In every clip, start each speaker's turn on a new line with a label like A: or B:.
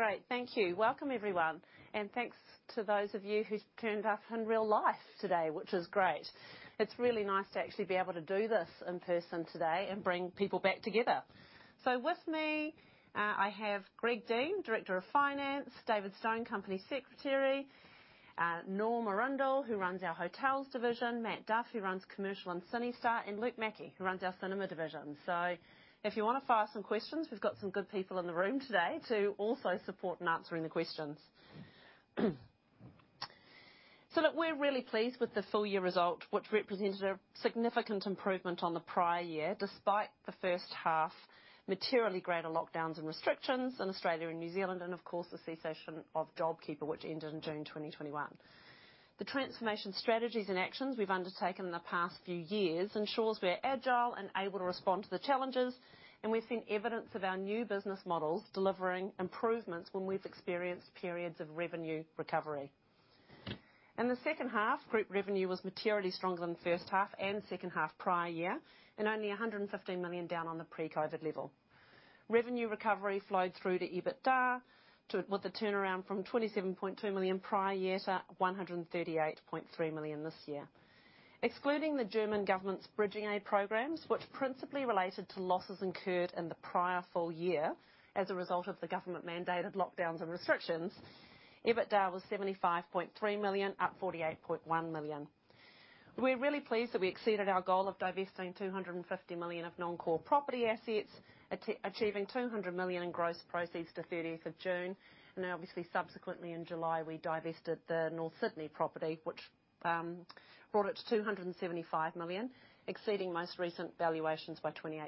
A: Great. Thank you. Welcome, everyone, and thanks to those of you who turned up in real life today, which is great. It's really nice to actually be able to do this in person today and bring people back together. With me, I have Gregory Dean, Director of Finance, David Stone, Company Secretary, Norman Arundel, who runs our hotels division, Matthew Duff, who runs commercial and CineStar, and Luke Mackey, who runs our cinema division. If you wanna fire some questions, we've got some good people in the room today to also support in answering the questions. Look, we're really pleased with the full-year result, which represented a significant improvement on the prior year, despite the first half materially greater lockdowns and restrictions in Australia and New Zealand and of course, the cessation of JobKeeper, which ended in June 2021. The transformation strategies and actions we've undertaken in the past few years ensures we're agile and able to respond to the challenges, and we've seen evidence of our new business models delivering improvements when we've experienced periods of revenue recovery. In the second half, group revenue was materially stronger than the first half and second half prior year, and only 115 million down on the pre-COVID level. Revenue recovery flowed through to EBITDA with a turnaround from 27.2 million prior year to 138.3 million this year. Excluding the German government's Bridging Assistance programs, which principally related to losses incurred in the prior full year as a result of the government-mandated lockdowns and restrictions, EBITDA was 75.3 million, up 48.1 million. We're really pleased that we exceeded our goal of divesting 250 million of non-core property assets, achieving 200 million in gross proceeds to 30 June. Then obviously in July, we divested the North Sydney property, which brought it to 275 million, exceeding most recent valuations by 28%.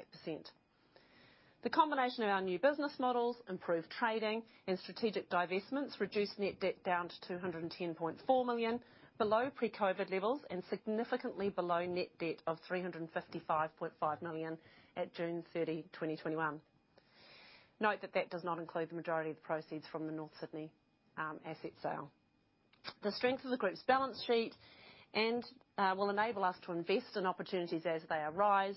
A: The combination of our new business models, improved trading and strategic divestments reduced net debt down to 210.4 million, below pre-COVID levels and significantly below net debt of 355.5 million at 30 June 2021. Note that that does not include the majority of the proceeds from the North Sydney asset sale. The strength of the group's balance sheet will enable us to invest in opportunities as they arise.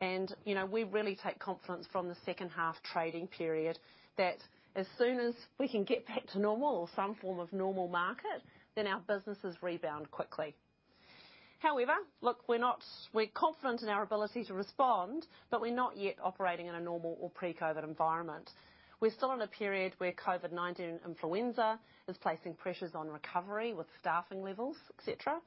A: You know, we really take confidence from the second half trading period that as soon as we can get back to normal or some form of normal market, then our businesses rebound quickly. However, look, we're confident in our ability to respond, but we're not yet operating in a normal or pre-COVID environment. We're still in a period where COVID-19 and influenza is placing pressures on recovery with staffing levels, et cetera.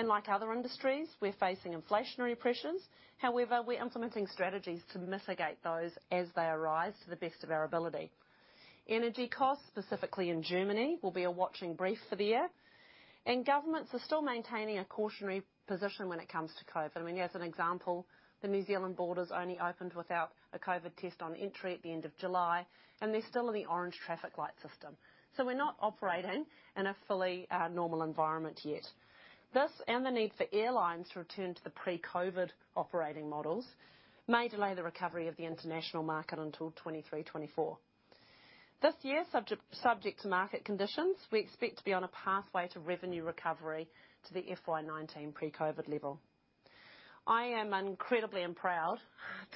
A: Like other industries, we're facing inflationary pressures. However, we're implementing strategies to mitigate those as they arise to the best of our ability. Energy costs, specifically in Germany, will be a watching brief for the year, and governments are still maintaining a cautionary position when it comes to COVID. I mean, as an example, the New Zealand borders only opened without a COVID test on entry at the end of July, and they're still in the orange traffic light system. We're not operating in a fully normal environment yet. This, and the need for airlines to return to the pre-COVID operating models, may delay the recovery of the international market until 2023, 2024. This year, subject to market conditions, we expect to be on a pathway to revenue recovery to the FY19 pre-COVID level. I am incredibly proud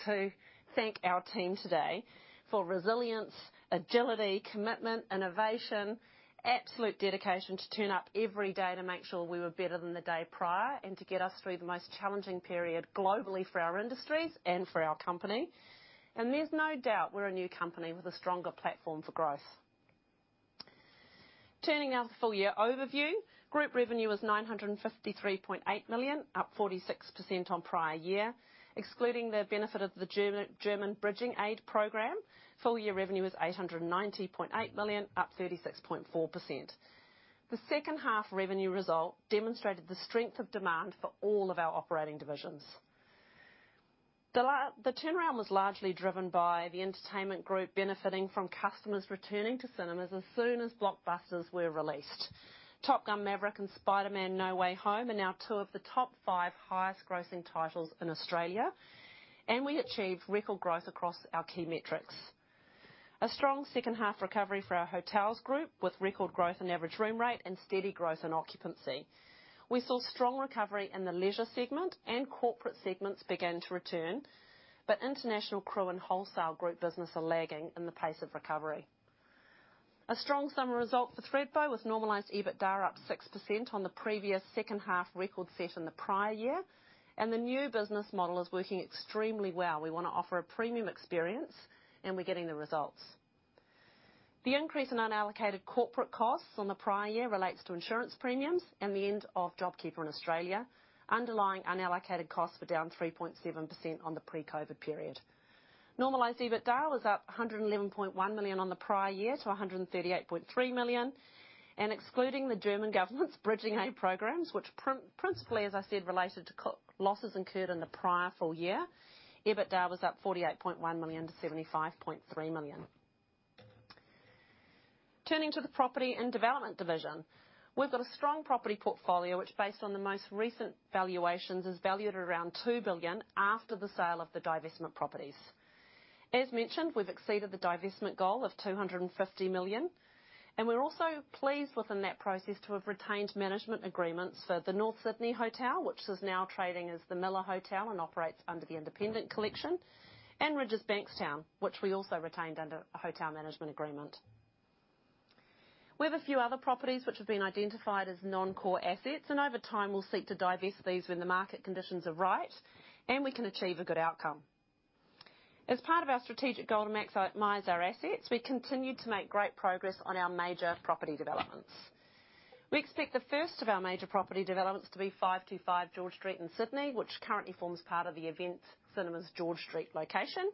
A: to thank our team today for resilience, agility, commitment, innovation, absolute dedication to turn up every day to make sure we were better than the day prior and to get us through the most challenging period globally for our industries and for our company. There's no doubt we're a new company with a stronger platform for growth. Turning now to the full-year overview. Group revenue was 953.8 million, up 46% on prior year. Excluding the benefit of the German Bridging Assistance program, full-year revenue was 890.8 million, up 36.4%. The second half revenue result demonstrated the strength of demand for all of our operating divisions. The turnaround was largely driven by the entertainment group benefiting from customers returning to cinemas as soon as blockbusters were released. Top Gun: Maverick and Spider-Man: No Way Home are now two of the top five highest grossing titles in Australia, and we achieved record growth across our key metrics. A strong second half recovery for our hotels group, with record growth in average room rate and steady growth in occupancy. We saw strong recovery in the leisure segment, and corporate segments began to return, but international crew and wholesale group business are lagging in the pace of recovery. A strong summer result for Thredbo, with normalized EBITDA up 6% on the previous second half record set in the prior year, and the new business model is working extremely well. We wanna offer a premium experience, and we're getting the results. The increase in unallocated corporate costs on the prior year relates to insurance premiums and the end of JobKeeper in Australia. Underlying unallocated costs were down 3.7% on the pre-COVID period. Normalized EBITDA was up 111.1 million on the prior year to 138.3 million. Excluding the German government's bridging aid programs, which principally, as I said, related to losses incurred in the prior full year, EBITDA was up 48.1 million to 75.3 million. Turning to the property and development division. We've got a strong property portfolio, which based on the most recent valuations, is valued at around 2 billion after the sale of the divestment properties. As mentioned, we've exceeded the divestment goal of 250 million. We're also pleased within that process to have retained management agreements for the North Sydney Hotel, which is now trading as the Miller Hotel and operates under the Independent Collection, and Rydges Bankstown, which we also retained under a hotel management agreement. We have a few other properties which have been identified as non-core assets, and over time, we'll seek to divest these when the market conditions are right and we can achieve a good outcome. As part of our strategic goal to maximize our assets, we continue to make great progress on our major property developments. We expect the first of our major property developments to be 525 George Street in Sydney, which currently forms part of the Event Cinemas George Street location.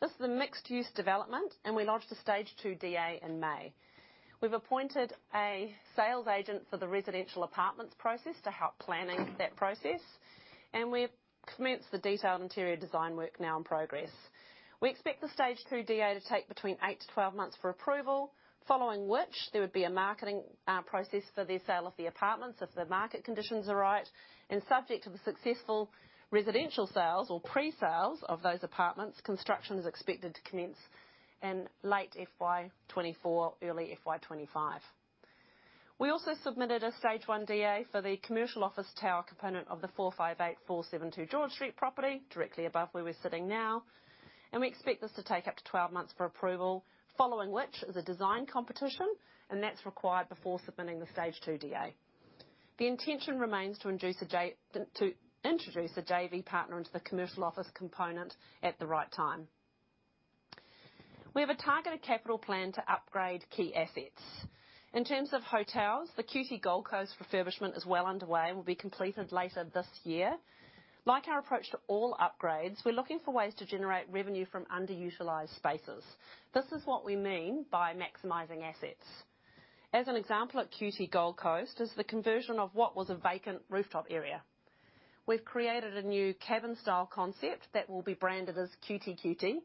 A: This is a mixed-use development, and we launched the stage 2 DA in May. We've appointed a sales agent for the residential apartments process to help planning that process, and we've commenced the detailed interior design work now in progress. We expect the stage 2 DA to take between 8-12 months for approval. Following which, there would be a marketing process for the sale of the apartments if the market conditions are right. Subject to the successful residential sales or presales of those apartments, construction is expected to commence in late FY 2024, early FY 2025. We also submitted a stage 1 DA for the commercial office tower component of the 458-472 George Street property, directly above where we're sitting now. We expect this to take up to 12 months for approval. Following which, is a design competition, and that's required before submitting the stage 2 DA. The intention remains to introduce a JV partner into the commercial office component at the right time. We have a targeted capital plan to upgrade key assets. In terms of hotels, the QT Gold Coast refurbishment is well underway and will be completed later this year. Like our approach to all upgrades, we're looking for ways to generate revenue from underutilized spaces. This is what we mean by maximizing assets. As an example at QT Gold Coast is the conversion of what was a vacant rooftop area. We've created a new cabin-style concept that will be branded as qtQT,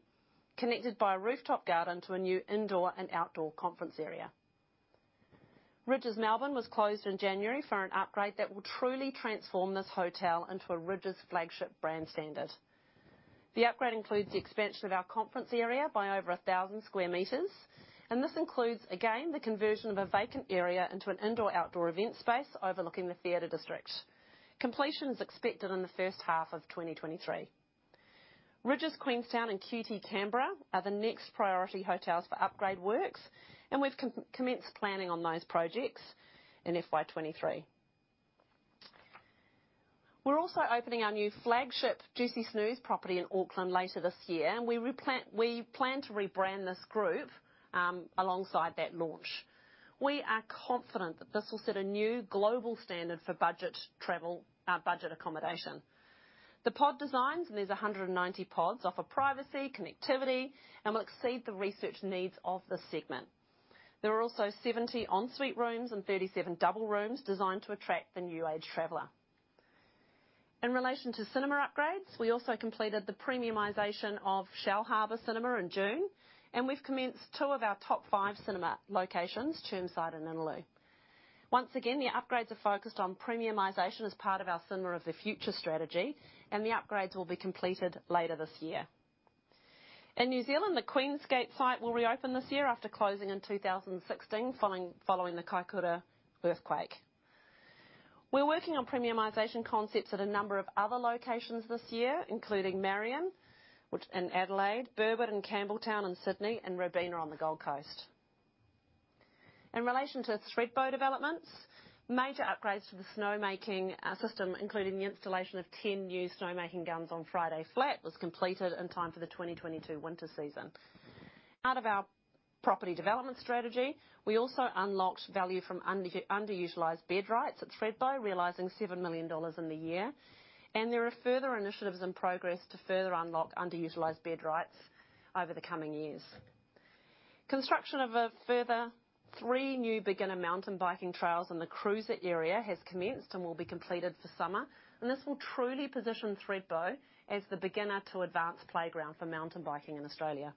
A: connected by a rooftop garden to a new indoor and outdoor conference area. Rydges Melbourne was closed in January for an upgrade that will truly transform this hotel into a Rydges flagship brand standard. The upgrade includes the expansion of our conference area by over 1,000 square meters, and this includes, again, the conversion of a vacant area into an indoor-outdoor event space overlooking the theater district. Completion is expected in the first half of 2023. Rydges Queenstown and QT Canberra are the next priority hotels for upgrade works, and we've commenced planning on those projects in FY 2023. We're also opening our new flagship Jucy Snooze property in Auckland later this year. We plan to rebrand this group alongside that launch. We are confident that this will set a new global standard for budget travel, budget accommodation. The pod designs, and there's 190 pods, offer privacy, connectivity, and will exceed the research needs of the segment. There are also 70 ensuite rooms and 37 double rooms designed to attract the new age traveler. In relation to cinema upgrades, we also completed the premiumization of Shellharbour Cinema in June, and we've commenced two of our top five cinema locations, Chermside and Innaloo. Once again, the upgrades are focused on premiumization as part of our Cinema of the Future strategy, and the upgrades will be completed later this year. In New Zealand, the Queensgate site will reopen this year after closing in 2016, following the Kaikoura earthquake. We're working on premiumization concepts at a number of other locations this year, including Marion, which in Adelaide, Burwood and Campbelltown in Sydney and Robina on the Gold Coast. In relation to Thredbo developments, major upgrades to the snow-making system, including the installation of 10 new snowmaking guns on Friday Flat, was completed in time for the 2022 winter season. Out of our property development strategy, we also unlocked value from underutilized bed rights at Thredbo, realizing 7 million dollars in the year. There are further initiatives and progress to further unlock underutilized bed rights over the coming years. Construction of a further three new beginner mountain biking trails in the cruiser area has commenced and will be completed for summer. This will truly position Thredbo as the beginner to advanced playground for mountain biking in Australia.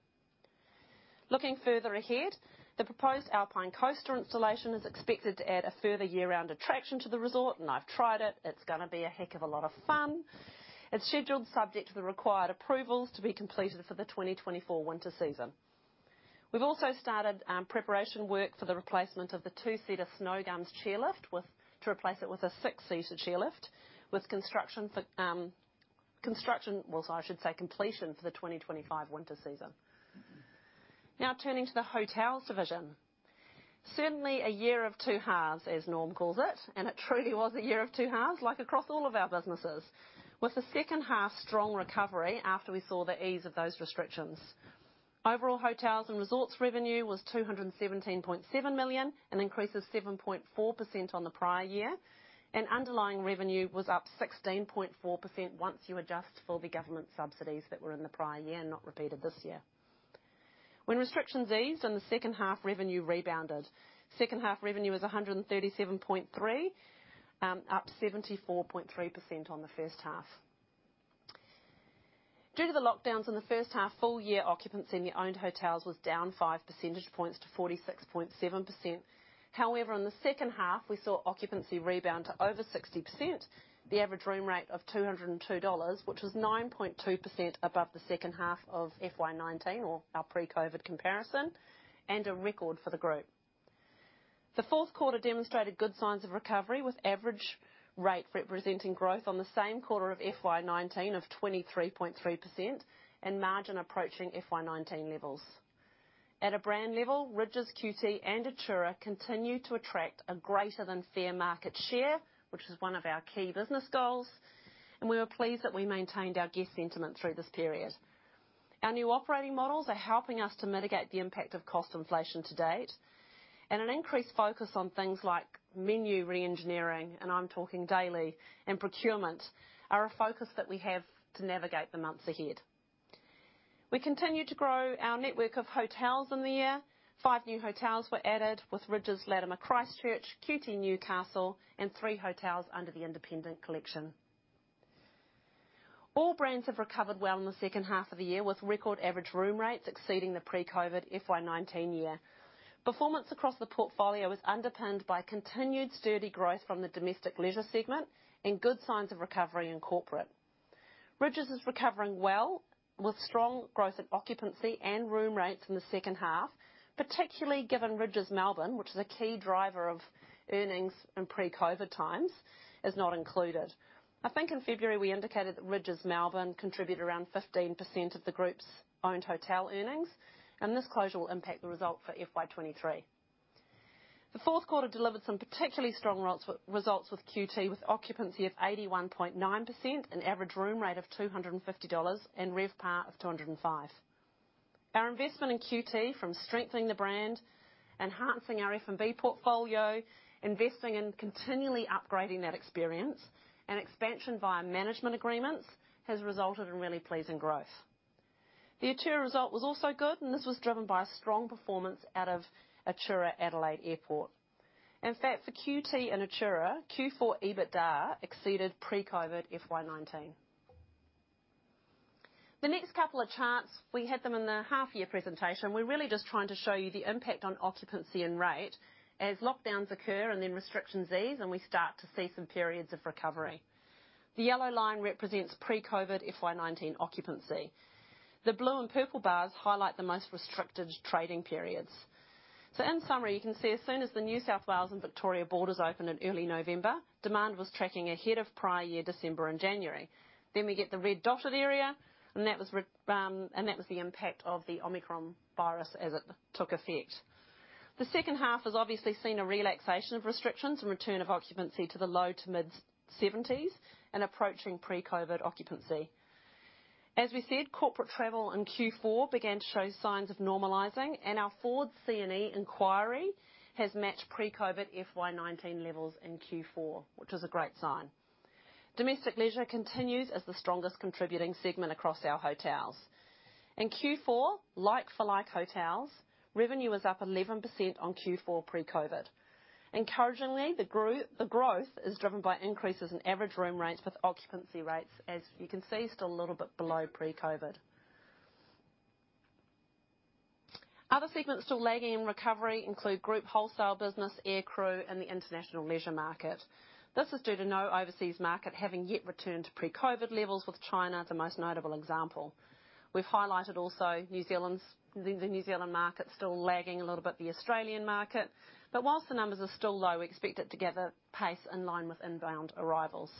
A: Looking further ahead, the proposed Alpine Coaster installation is expected to add a further year-round attraction to the resort. I've tried it. It's gonna be a heck of a lot of fun. It's scheduled subject to the required approvals to be completed for the 2024 winter season. We've also started preparation work for the replacement of the two-seater Snowgums Chairlift, to replace it with a six-seater chairlift, well, I should say, with completion for the 2025 winter season. Now turning to the hotels division. Certainly a year of two halves, as Norm calls it, and it truly was a year of two halves, like across all of our businesses. With the second half strong recovery after we saw the ease of those restrictions. Overall hotels and resorts revenue was 217.7 million, an increase of 7.4% on the prior year, and underlying revenue was up 16.4% once you adjust for the government subsidies that were in the prior year, and not repeated this year. When restrictions eased and the second half revenue rebounded, second half revenue was 137.3 million, up 74.3% on the first half. Due to the lockdowns in the first half, full year occupancy in the owned hotels was down 5 percentage points to 46.7%. However, in the second half, we saw occupancy rebound to over 60%. The average room rate of 202 dollars, which was 9.2% above the second half of FY 2019 or our pre-COVID comparison, and a record for the group. The fourth quarter demonstrated good signs of recovery, with average rate representing growth on the same quarter of FY 2019 of 23.3% and margin approaching FY 2019 levels. At a brand level, Rydges, QT and Atura continue to attract a greater than fair market share, which is one of our key business goals, and we were pleased that we maintained our guest sentiment through this period. Our new operating models are helping us to mitigate the impact of cost inflation to date, and an increased focus on things like menu re-engineering, and I'm talking day-to-day and procurement, are a focus that we have to navigate the months ahead. We continue to grow our network of hotels in the year. 5 new hotels were added with Rydges Latimer Christchurch, QT Newcastle, and three hotels under the Independent Collection. All brands have recovered well in the second half of the year, with record average room rates exceeding the pre-COVID FY 2019 year. Performance across the portfolio is underpinned by continued steady growth from the domestic leisure segment and good signs of recovery in corporate. Rydges is recovering well with strong growth in occupancy and room rates in the second half, particularly given Rydges Melbourne, which is a key driver of earnings in pre-COVID times, is not included. I think in February we indicated that Rydges Melbourne contributed around 15% of the group's owned hotel earnings and this closure will impact the result for FY 2023. The fourth quarter delivered some particularly strong results with QT, with occupancy of 81.9% and average room rate of 250 dollars and RevPAR of 205. Our investment in QT from strengthening the brand, enhancing our F&B portfolio, investing in continually upgrading that experience and expansion via management agreements has resulted in really pleasing growth. The Atura result was also good and this was driven by a strong performance out of Atura Adelaide Airport. In fact, for QT and Atura, Q4 EBITDA exceeded pre-COVID FY 2019. The next couple of charts, we had them in the half year presentation. We're really just trying to show you the impact on occupancy and rate as lockdowns occur and then restrictions ease and we start to see some periods of recovery. The yellow line represents pre-COVID FY 19 occupancy. The blue and purple bars highlight the most restricted trading periods. In summary, you can see as soon as the New South Wales and Victoria borders opened in early November, demand was tracking ahead of prior year, December and January. We get the red dotted area, and that was the impact of the Omicron virus as it took effect. The second half has obviously seen a relaxation of restrictions and return of occupancy to the low to mid-seventies and approaching pre-COVID occupancy. As we said, corporate travel in Q4 began to show signs of normalizing, and our forward C&E inquiry has matched pre-COVID FY 2019 levels in Q4, which is a great sign. Domestic leisure continues as the strongest contributing segment across our hotels. In Q4, like for like hotels, revenue was up 11% on Q4 pre-COVID. Encouragingly, the growth is driven by increases in average room rates, with occupancy rates, as you can see, still a little bit below pre-COVID. Other segments still lagging in recovery include group wholesale business, air crew, and the international leisure market. This is due to no overseas market having yet returned to pre-COVID levels, with China the most notable example. We've highlighted also New Zealand's The New Zealand market still lagging a little bit, the Australian market, but while the numbers are still low, we expect it to gather pace in line with inbound arrivals.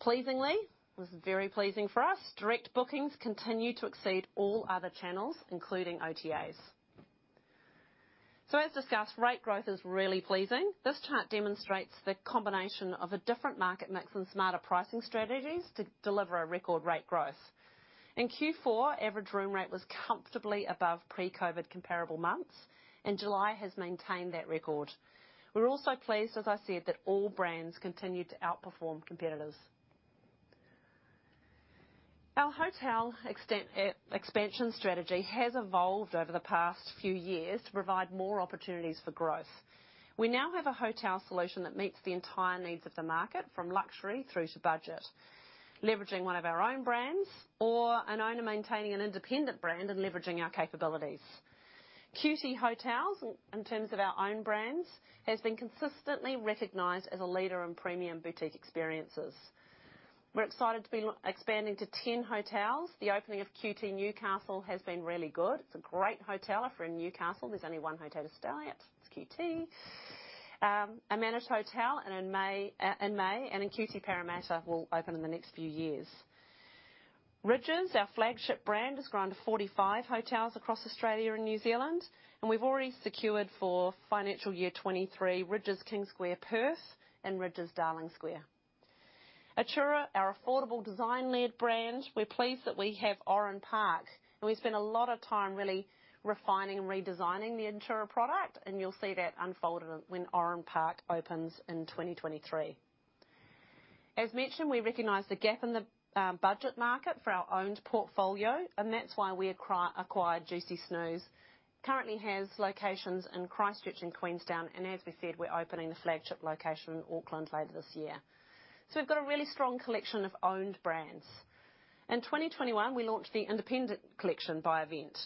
A: Pleasingly, it was very pleasing for us, direct bookings continue to exceed all other channels, including OTAs. As discussed, rate growth is really pleasing. This chart demonstrates the combination of a different market mix and smarter pricing strategies to deliver a record rate growth. In Q4, average room rate was comfortably above pre-COVID comparable months, and July has maintained that record. We're also pleased, as I said, that all brands continued to outperform competitors. Our hotel expansion strategy has evolved over the past few years to provide more opportunities for growth. We now have a hotel solution that meets the entire needs of the market, from luxury through to budget. Leveraging one of our own brands or an owner maintaining an independent brand and leveraging our capabilities. QT Hotels, in terms of our own brands, has been consistently recognized as a leader in premium boutique experiences. We're excited to be expanding to 10 hotels. The opening of QT Newcastle has been really good. It's a great hotel if you're in Newcastle. There's only one hotel to stay at. It's QT, a managed hotel and in May, and then QT Parramatta will open in the next few years. Rydges, our flagship brand, has grown to 45 hotels across Australia and New Zealand, and we've already secured for financial year 2023, Rydges King Square Perth and Rydges Darling Square. Atura, our affordable design-led brand. We're pleased that we have Oran Park. We spent a lot of time really refining and redesigning the Atura product, and you'll see that unfolded when Oran Park opens in 2023. As mentioned, we recognize the gap in the budget market for our owned portfolio, and that's why we acquired Jucy Snooze. Currently has locations in Christchurch and Queenstown, and as we said, we're opening a flagship location in Auckland later this year. We've got a really strong collection of owned brands. In 2021, we launched the Independent Collection by EVENT.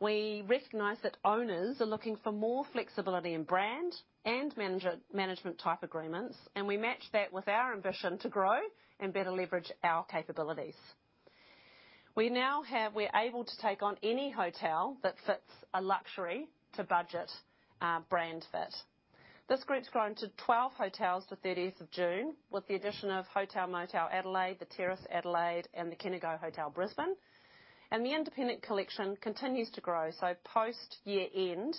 A: We recognize that owners are looking for more flexibility in brand and management type agreements, and we match that with our ambition to grow and better leverage our capabilities. We now have. We're able to take on any hotel that fits a luxury to budget brand fit. This group's grown to 12 hotels to the 13th of June with the addition of HotelMOTEL Adelaide, The Terrace Adelaide, and the Kennigo Hotel Brisbane. The Independent Collection continues to grow. Post-year end,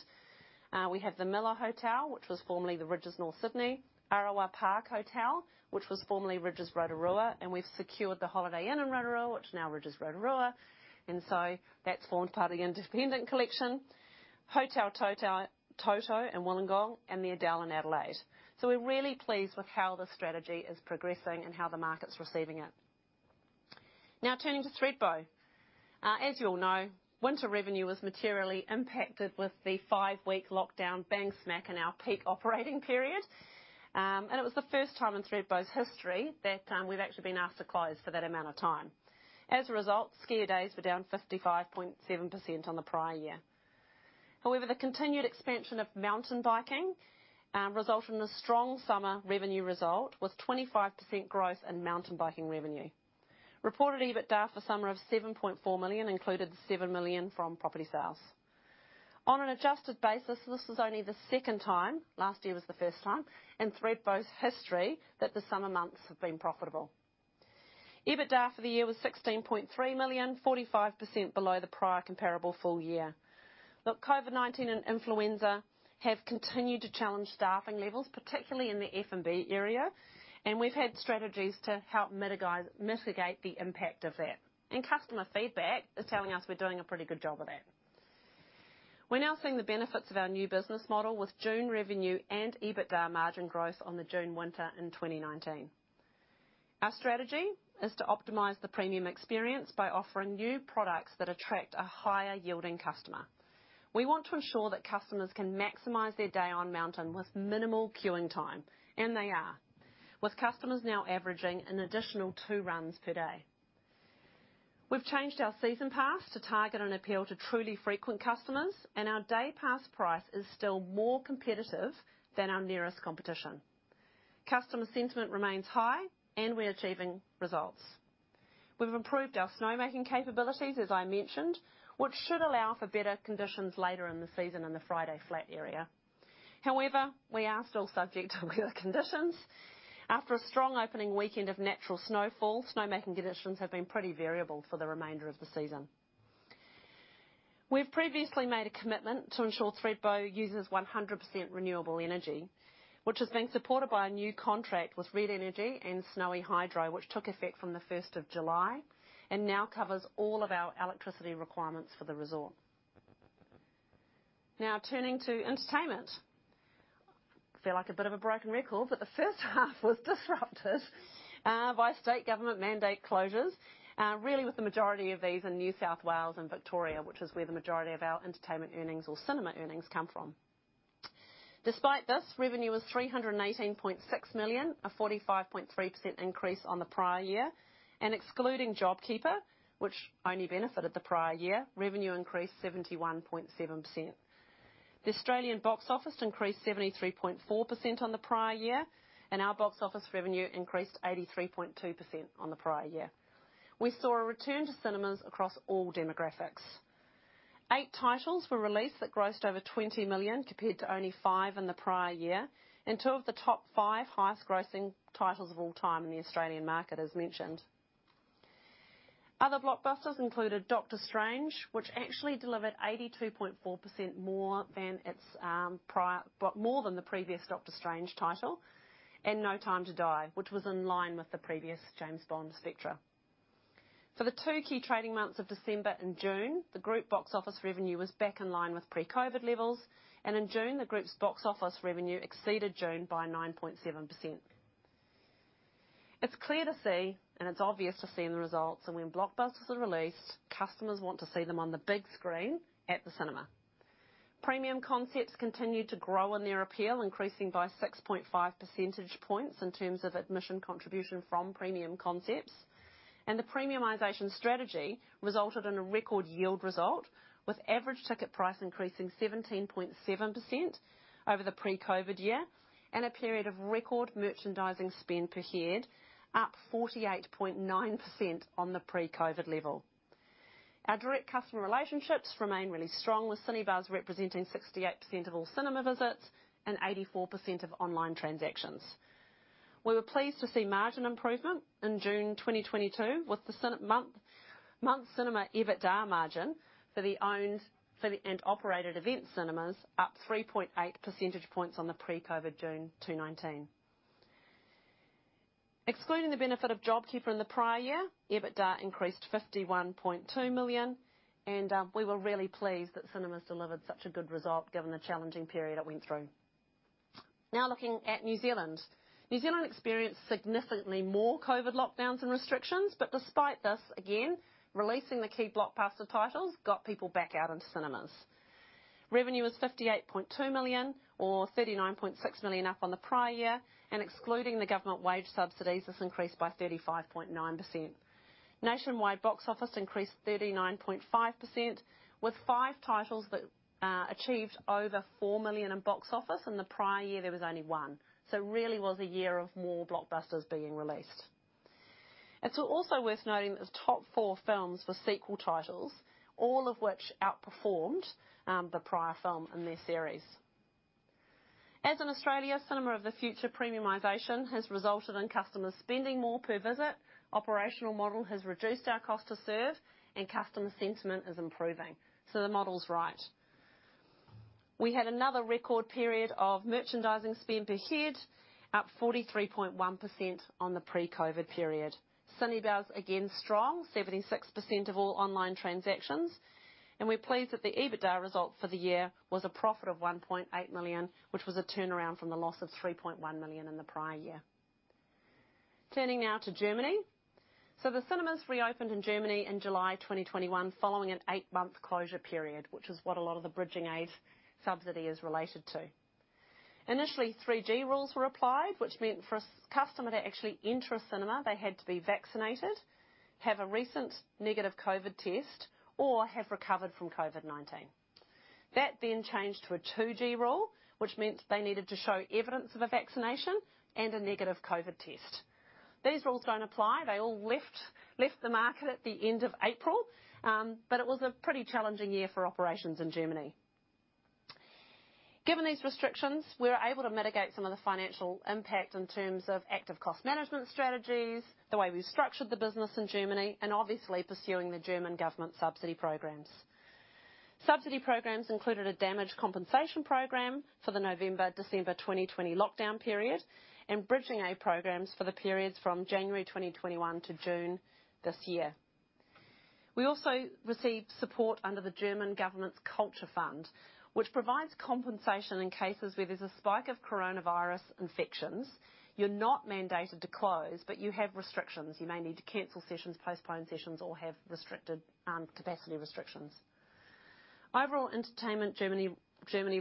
A: we have the Miller Hotel, which was formerly the Rydges North Sydney, Arawa Park Hotel, which was formerly Rydges Rotorua, and we've secured the Holiday Inn in Rotorua, which is now Rydges Rotorua. That's formed part of the Independent Collection, Hotel TOTTO Wollongong, and The Alba Adelaide. We're really pleased with how the strategy is progressing and how the market's receiving it. Now, turning to Thredbo. As you all know, winter revenue was materially impacted with the 5-week lockdown bang smack in our peak operating period. It was the first time in Thredbo's history that we've actually been asked to close for that amount of time. As a result, skier days were down 55.7% on the prior year. However, the continued expansion of mountain biking resulted in a strong summer revenue result with 25% growth in mountain biking revenue. Reported EBITDA for summer of 7.4 million included 7 million from property sales. On an adjusted basis, this was only the second time, last year was the first time, in Thredbo's history that the summer months have been profitable. EBITDA for the year was 16.3 million, 45% below the prior comparable full year. Look, COVID-19 and influenza have continued to challenge staffing levels, particularly in the F&B area, and we've had strategies to help mitigate the impact of that. Customer feedback is telling us we're doing a pretty good job of that. We're now seeing the benefits of our new business model with June revenue and EBITDA margin growth on the June winter in 2019. Our strategy is to optimize the premium experience by offering new products that attract a higher-yielding customer. We want to ensure that customers can maximize their day on mountain with minimal queuing time, and they are, with customers now averaging an additional two runs per day. We've changed our season pass to target and appeal to truly frequent customers, and our day pass price is still more competitive than our nearest competition. Customer sentiment remains high, and we're achieving results. We've improved our snowmaking capabilities, as I mentioned, which should allow for better conditions later in the season in the Friday Flat area. However, we are still subject to weather conditions. After a strong opening weekend of natural snowfall, snowmaking conditions have been pretty variable for the remainder of the season. We've previously made a commitment to ensure Thredbo uses 100% renewable energy, which is being supported by a new contract with Red Energy and Snowy Hydro, which took effect from the first of July and now covers all of our electricity requirements for the resort. Now turning to entertainment. I feel like a bit of a broken record, but the first half was disrupted by state government mandate closures, really with the majority of these in New South Wales and Victoria, which is where the majority of our entertainment earnings or cinema earnings come from. Despite this, revenue was 318.6 million, a 45.3% increase on the prior year. Excluding JobKeeper, which only benefited the prior year, revenue increased 71.7%. The Australian box office increased 73.4% on the prior year, and our box office revenue increased 83.2% on the prior year. We saw a return to cinemas across all demographics. Eight titles were released that grossed over 20 million, compared to only five in the prior year, and two of the top five highest grossing titles of all time in the Australian market, as mentioned. Other blockbusters included Doctor Strange, which actually delivered 82.4% more than the previous Doctor Strange title, and No Time to Die, which was in line with the previous James Bond, Spectre. For the two key trading months of December and June, the group box office revenue was back in line with pre-COVID levels, and in June, the group's box office revenue exceeded June by 9.7%. It's clear to see, and it's obvious to see in the results that when blockbusters are released, customers want to see them on the big screen at the cinema. Premium concepts continued to grow in their appeal, increasing by 6.5 percentage points in terms of admission contribution from premium concepts. The premiumization strategy resulted in a record yield result with average ticket price increasing 17.7% over the pre-COVID year and a period of record merchandising spend per head up 48.9% on the pre-COVID level. Our direct customer relationships remain really strong, with Cinebuzz representing 68% of all cinema visits and 84% of online transactions. We were pleased to see margin improvement in June 2022, with the cinema month-over-month cinema EBITDA margin for the owned and operated Event Cinemas up 3.8 percentage points on the pre-COVID June 2019. Excluding the benefit of JobKeeper in the prior year, EBITDA increased 51.2 million, and we were really pleased that cinemas delivered such a good result given the challenging period it went through. Now looking at New Zealand. New Zealand experienced significantly more COVID lockdowns and restrictions, but despite this, again, releasing the key blockbuster titles got people back out into cinemas. Revenue was 58.2 million or 39.6 million up on the prior year, and excluding the government wage subsidies, this increased by 35.9%. Nationwide box office increased 39.5% with 5 titles that achieved over 4 million in box office. In the prior year, there was only one. Really was a year of more blockbusters being released. It's also worth noting that the top 4 films were sequel titles, all of which outperformed the prior film in their series. As in Australia, Cinema of the Future premiumization has resulted in customers spending more per visit. Operational model has reduced our cost to serve and customer sentiment is improving. The model is right. We had another record period of merchandising spend per head, up 43.1% on the pre-COVID period. Cinebuzz, again, strong, 76% of all online transactions. We're pleased that the EBITDA result for the year was a profit of 1.8 million, which was a turnaround from the loss of 3.1 million in the prior year. Turning now to Germany. The cinemas reopened in Germany in July 2021, following an eight-month closure period, which is what a lot of the Bridging Assistance subsidy is related to. Initially, 3G rules were applied, which meant for a 3G customer to actually enter a cinema, they had to be vaccinated, have a recent negative COVID test or have recovered from COVID-19. That then changed to a 2G rule, which meant they needed to show evidence of a vaccination and a negative COVID test. These rules don't apply. They all left the market at the end of April, but it was a pretty challenging year for operations in Germany. Given these restrictions, we were able to mitigate some of the financial impact in terms of active cost management strategies, the way we structured the business in Germany, and obviously pursuing the German government subsidy programs. Subsidy programs included a damage compensation program for the November-December 2020 lockdown period and Bridging Assistance programs for the periods from January 2021 to June this year. We also received support under the German Federal Cultural Foundation, which provides compensation in cases where there's a spike of coronavirus infections. You're not mandated to close, but you have restrictions. You may need to cancel sessions, postpone sessions or have restricted capacity restrictions. Overall, entertainment Germany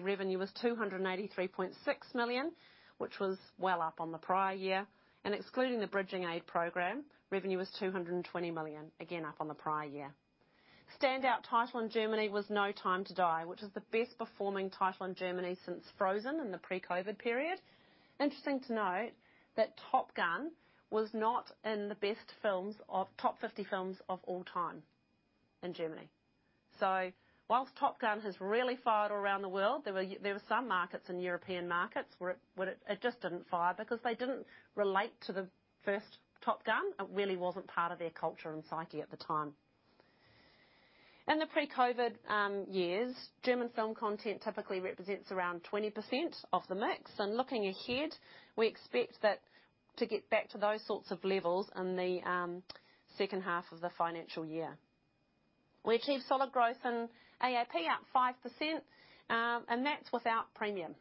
A: revenue was 283.6 million, which was well up on the prior year, and excluding the Bridging Assistance program, revenue was 220 million, again up on the prior year. Standout title in Germany was No Time to Die, which is the best performing title in Germany since Frozen in the pre-COVID period. Interesting to note that Top Gun was not in the top 50 films of all time in Germany. Whilst Top Gun has really fired around the world, there were some markets in European markets where it just didn't fire because they didn't relate to the first Top Gun. It really wasn't part of their culture and psyche at the time. In the pre-COVID years, German film content typically represents around 20% of the mix. Looking ahead, we expect that to get back to those sorts of levels in the second half of the financial year. We achieved solid growth in ATP, up 5%, and that's without premium.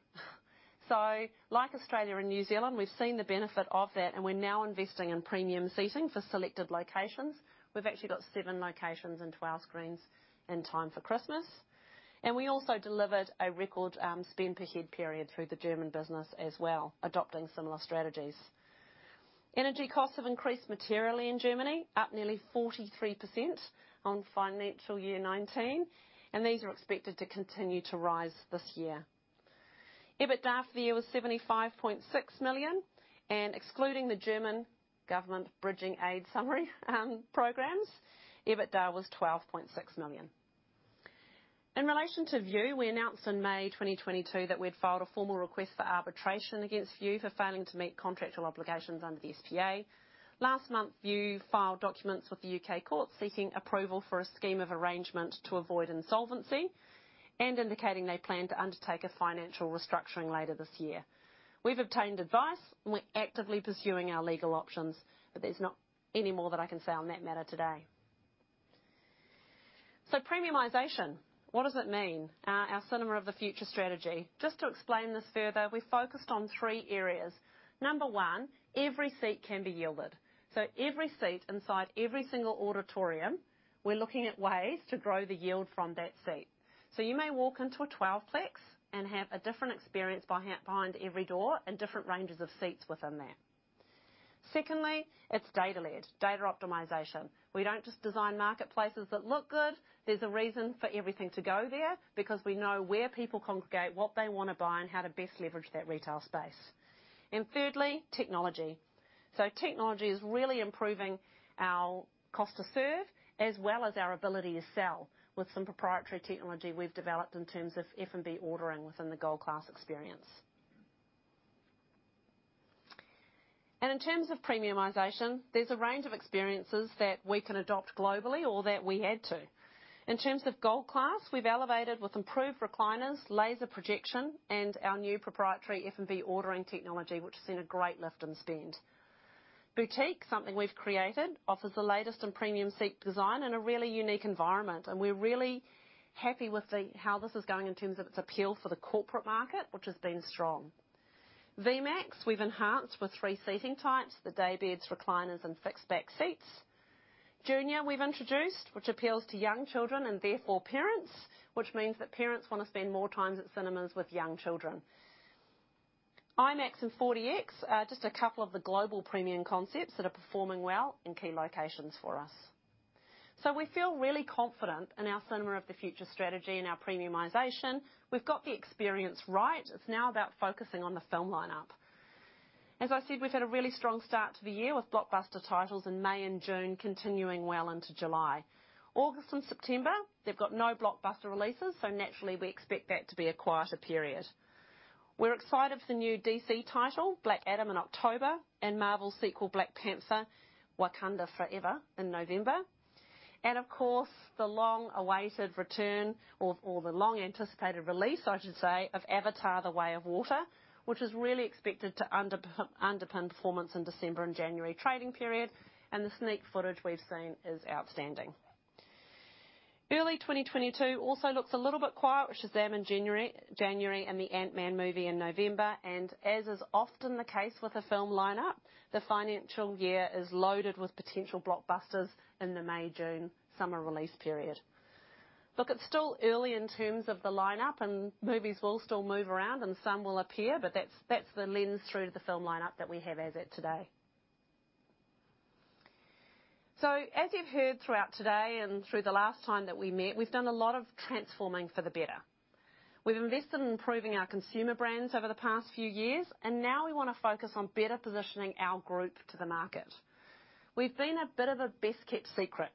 A: Like Australia and New Zealand, we've seen the benefit of that, and we're now investing in premium seating for selected locations. We've actually got 7 locations and 12 screens in time for Christmas. We also delivered a record spend per head period through the German business as well, adopting similar strategies. Energy costs have increased materially in Germany, up nearly 43% on financial year 2019, and these are expected to continue to rise this year. EBITDA for the year was 75.6 million, and excluding the German government Bridging Assistance programs, EBITDA was 12.6 million. In relation to Vue, we announced in May 2022 that we had filed a formal request for arbitration against Vue for failing to meet contractual obligations under the SPA. Last month, Vue filed documents with the UK court seeking approval for a scheme of arrangement to avoid insolvency and indicating they plan to undertake a financial restructuring later this year. We've obtained advice and we're actively pursuing our legal options, but there's not any more that I can say on that matter today. Premiumization, what does it mean, our Cinema of the Future strategy? Just to explain this further, we focused on three areas. Number one, every seat can be yielded. Every seat inside every single auditorium, we're looking at ways to grow the yield from that seat. You may walk into a 12-plex and have a different experience behind every door and different ranges of seats within there. Secondly, it's data led, data optimization. We don't just design marketplaces that look good. There's a reason for everything to go there, because we know where people congregate, what they wanna buy, and how to best leverage that retail space. Thirdly, technology. Technology is really improving our cost to serve as well as our ability to sell with some proprietary technology we've developed in terms of F&B ordering within the Gold Class experience. In terms of premiumization, there's a range of experiences that we can adopt globally or that we had to. In terms of Gold Class, we've elevated with improved recliners, laser projection, and our new proprietary F&B ordering technology, which has seen a great lift in spend. Boutique, something we've created, offers the latest in premium seat design in a really unique environment, and we're really happy with how this is going in terms of its appeal for the corporate market, which has been strong. V-Max, we've enhanced with three seating types, the day beds, recliners and fixed back seats. Event Junior, we've introduced, which appeals to young children and therefore parents, which means that parents wanna spend more time at cinemas with young children. IMAX and 4DX are just a couple of the global premium concepts that are performing well in key locations for us. We feel really confident in our Cinema of the Future strategy and our premiumization. We've got the experience right. It's now about focusing on the film lineup. As I said, we've had a really strong start to the year with blockbuster titles in May and June, continuing well into July. August and September, they've got no blockbuster releases, so naturally, we expect that to be a quieter period. We're excited for the new DC title, Black Adam, in October, and Marvel's sequel, Black Panther: Wakanda Forever, in November. Of course, the long-awaited return or the long-anticipated release, I should say, of Avatar: The Way of Water, which is really expected to underpin performance in December and January trading period, and the sneak footage we've seen is outstanding. Early 2022 also looks a little bit quiet, with Shazam in January and the Ant-Man movie in November, and as is often the case with the film lineup, the financial year is loaded with potential blockbusters in the May-June summer release period. Look, it's still early in terms of the lineup, and movies will still move around, and some will appear, but that's the lens through the film lineup that we have as of today. As you've heard throughout today and through the last time that we met, we've done a lot of transforming for the better. We've invested in improving our consumer brands over the past few years, and now we wanna focus on better positioning our group to the market. We've been a bit of a best-kept secret.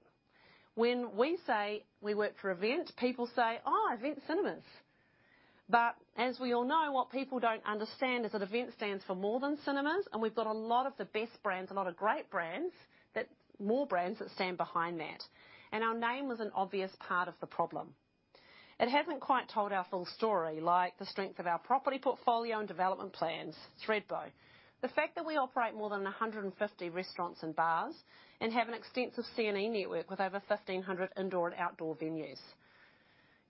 A: When we say we work for Event, people say, "Oh, Event Cinemas." But as we all know, what people don't understand is that Event stands for more than cinemas, and we've got a lot of the best brands, a lot of great brands, more brands that stand behind that. Our name was an obvious part of the problem. It hasn't quite told our full story, like the strength of our property portfolio and development plans, Thredbo. The fact that we operate more than 150 restaurants and bars and have an extensive C&E network with over 1,500 indoor and outdoor venues.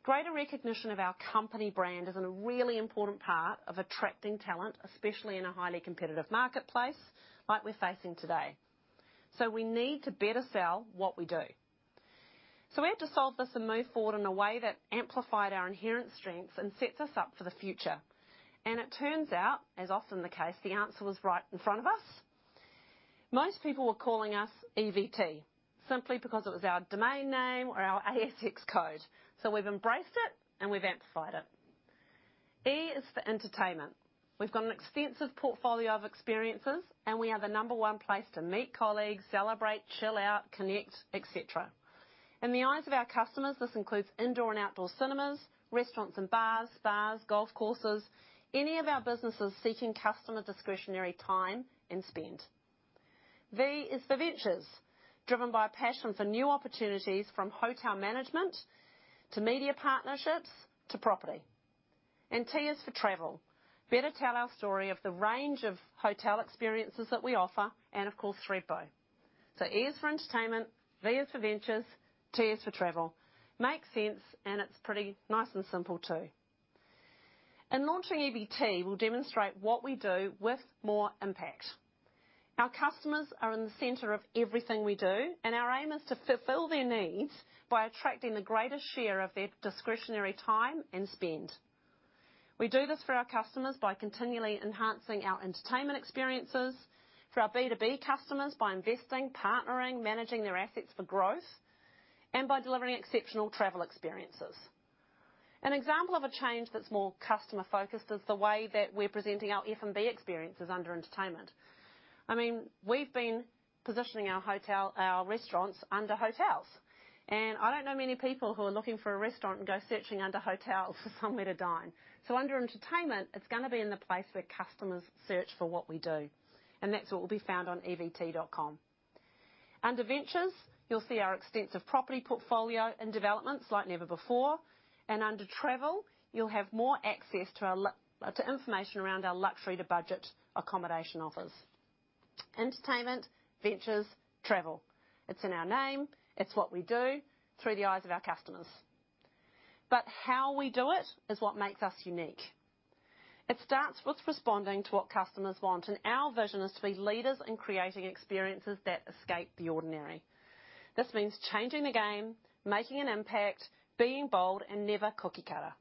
A: Greater recognition of our company brand is a really important part of attracting talent, especially in a highly competitive marketplace like we're facing today. We need to better sell what we do. We had to solve this and move forward in a way that amplified our inherent strengths and sets us up for the future. It turns out, as is often the case, the answer was right in front of us. Most people were calling us EVT simply because it was our domain name or our ASX code. We've embraced it, and we've amplified it. E is for entertainment. We've got an extensive portfolio of experiences, and we are the number one place to meet colleagues, celebrate, chill out, connect, et cetera. In the eyes of our customers, this includes indoor and outdoor cinemas, restaurants and bars, spas, golf courses, any of our businesses seeking customer discretionary time and spend. V is for ventures, driven by a passion for new opportunities from hotel management to media partnerships to property. T is for travel. Better tell our story of the range of hotel experiences that we offer and, of course, Thredbo. E is for entertainment, V is for ventures, T is for travel. Makes sense, and it's pretty nice and simple, too. In launching EVT, we'll demonstrate what we do with more impact. Our customers are in the center of everything we do, and our aim is to fulfill their needs by attracting the greatest share of their discretionary time and spend. We do this for our customers by continually enhancing our entertainment experiences, for our B2B customers by investing, partnering, managing their assets for growth, and by delivering exceptional travel experiences. An example of a change that's more customer-focused is the way that we're presenting our F&B experiences under entertainment. I mean, we've been positioning our hotel, our restaurants under hotels, and I don't know many people who are looking for a restaurant and go searching under hotels for somewhere to dine. Under entertainment, it's gonna be in the place where customers search for what we do, and that's what will be found on evt.com. Under ventures, you'll see our extensive property portfolio and developments like never before. Under travel, you'll have more access to information around our luxury-to-budget accommodation offers. Entertainment, ventures, travel. It's in our name. It's what we do through the eyes of our customers. How we do it is what makes us unique. It starts with responding to what customers want, and our vision is to be leaders in creating experiences that escape the ordinary. This means changing the game, making an impact, being bold, and never cookie-cutter.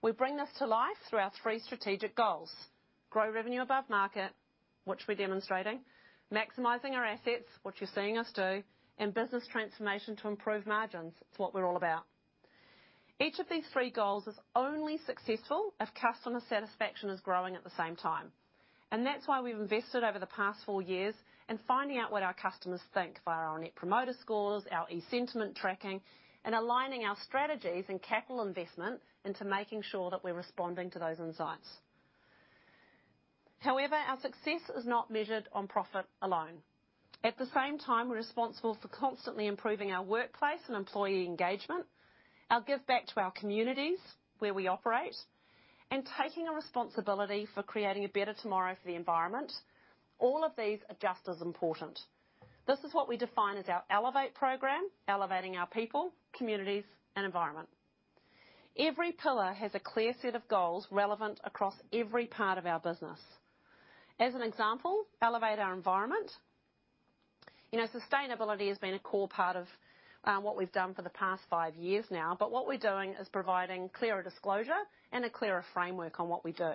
A: We bring this to life through our three strategic goals, grow revenue above market, which we're demonstrating, maximizing our assets, which you're seeing us do, and business transformation to improve margins. It's what we're all about. Each of these three goals is only successful if customer satisfaction is growing at the same time. That's why we've invested over the past four years in finding out what our customers think via our Net Promoter Score, our e-sentiment tracking, and aligning our strategies and capital investment into making sure that we're responding to those insights. However, our success is not measured on profit alone. At the same time, we're responsible for constantly improving our workplace and employee engagement, our give back to our communities where we operate, and taking on responsibility for creating a better tomorrow for the environment. All of these are just as important. This is what we define as our ELEVATE program, elevating our people, communities, and environment. Every pillar has a clear set of goals relevant across every part of our business. As an example, elevate our environment. You know, sustainability has been a core part of what we've done for the past five years now, but what we're doing is providing clearer disclosure and a clearer framework on what we do.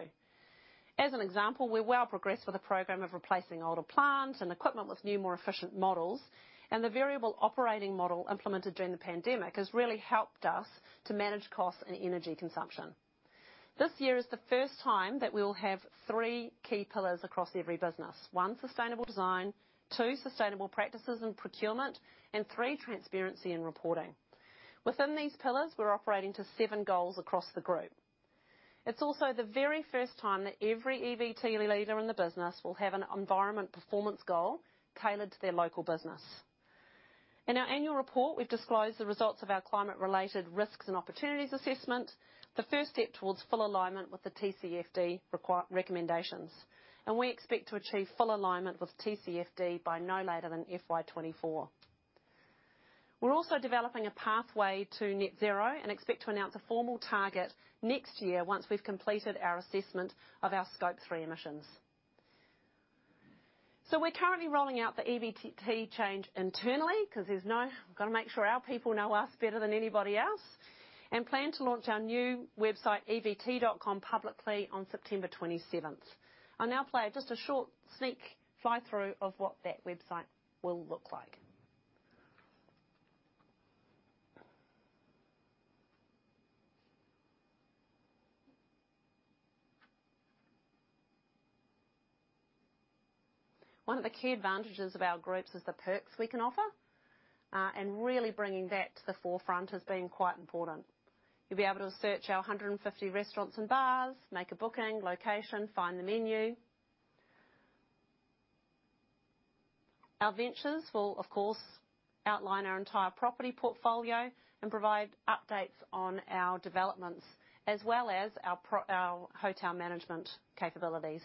A: As an example, we're well progressed with a program of replacing older plants and equipment with new, more efficient models, and the variable operating model implemented during the pandemic has really helped us to manage costs and energy consumption. This year is the first time that we'll have three key pillars across every business. One, sustainable design. Two, sustainable practices and procurement. And three, transparency in reporting. Within these pillars, we're operating to seven goals across the group. It's also the very first time that every EVT leader in the business will have an environment performance goal tailored to their local business. In our annual report, we've disclosed the results of our climate-related risks and opportunities assessment, the first step towards full alignment with the TCFD recommendations, and we expect to achieve full alignment with TCFD by no later than FY 2024. We're also developing a pathway to net zero and expect to announce a formal target next year once we've completed our assessment of our Scope 3 emissions. We're currently rolling out the EVT change internally 'cause gotta make sure our people know us better than anybody else, and plan to launch our new website, evt.com, publicly on September 27. I'll now play just a short sneak fly-through of what that website will look like. One of the key advantages of our groups is the perks we can offer, and really bringing that to the forefront has been quite important. You'll be able to search our 150 restaurants and bars, make a booking, location, find the menu. Our ventures will, of course, outline our entire property portfolio and provide updates on our developments, as well as our hotel management capabilities.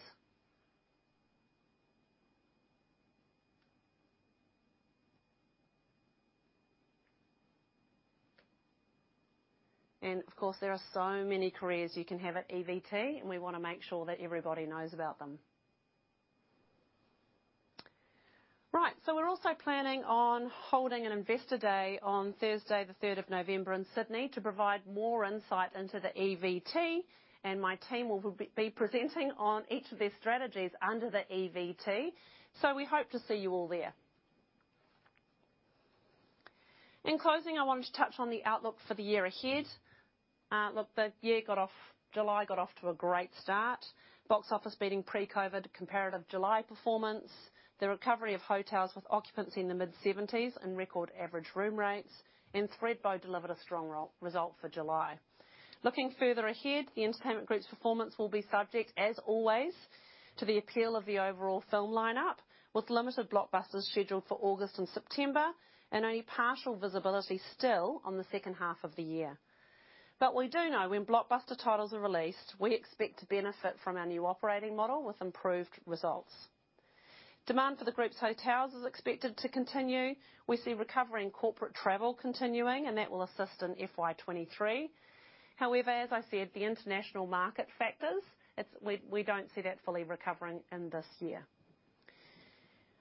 A: Of course, there are so many careers you can have at EVT, and we wanna make sure that everybody knows about them. Right. We're also planning on holding an investor day on Thursday, the third of November in Sydney to provide more insight into the EVT, and my team will be presenting on each of their strategies under the EVT. We hope to see you all there. In closing, I wanted to touch on the outlook for the year ahead. Look, July got off to a great start. Box office beating pre-COVID comparative July performance. The recovery of hotels with occupancy in the mid-70s and record average room rates, and Thredbo delivered a strong result for July. Looking further ahead, the entertainment group's performance will be subject, as always, to the appeal of the overall film lineup, with limited blockbusters scheduled for August and September, and only partial visibility still on the second half of the year. We do know when blockbuster titles are released, we expect to benefit from our new operating model with improved results. Demand for the group's hotels is expected to continue. We see recovering corporate travel continuing, and that will assist in FY 2023. However, as I said, the international market factors, it's we don't see that fully recovering in this year.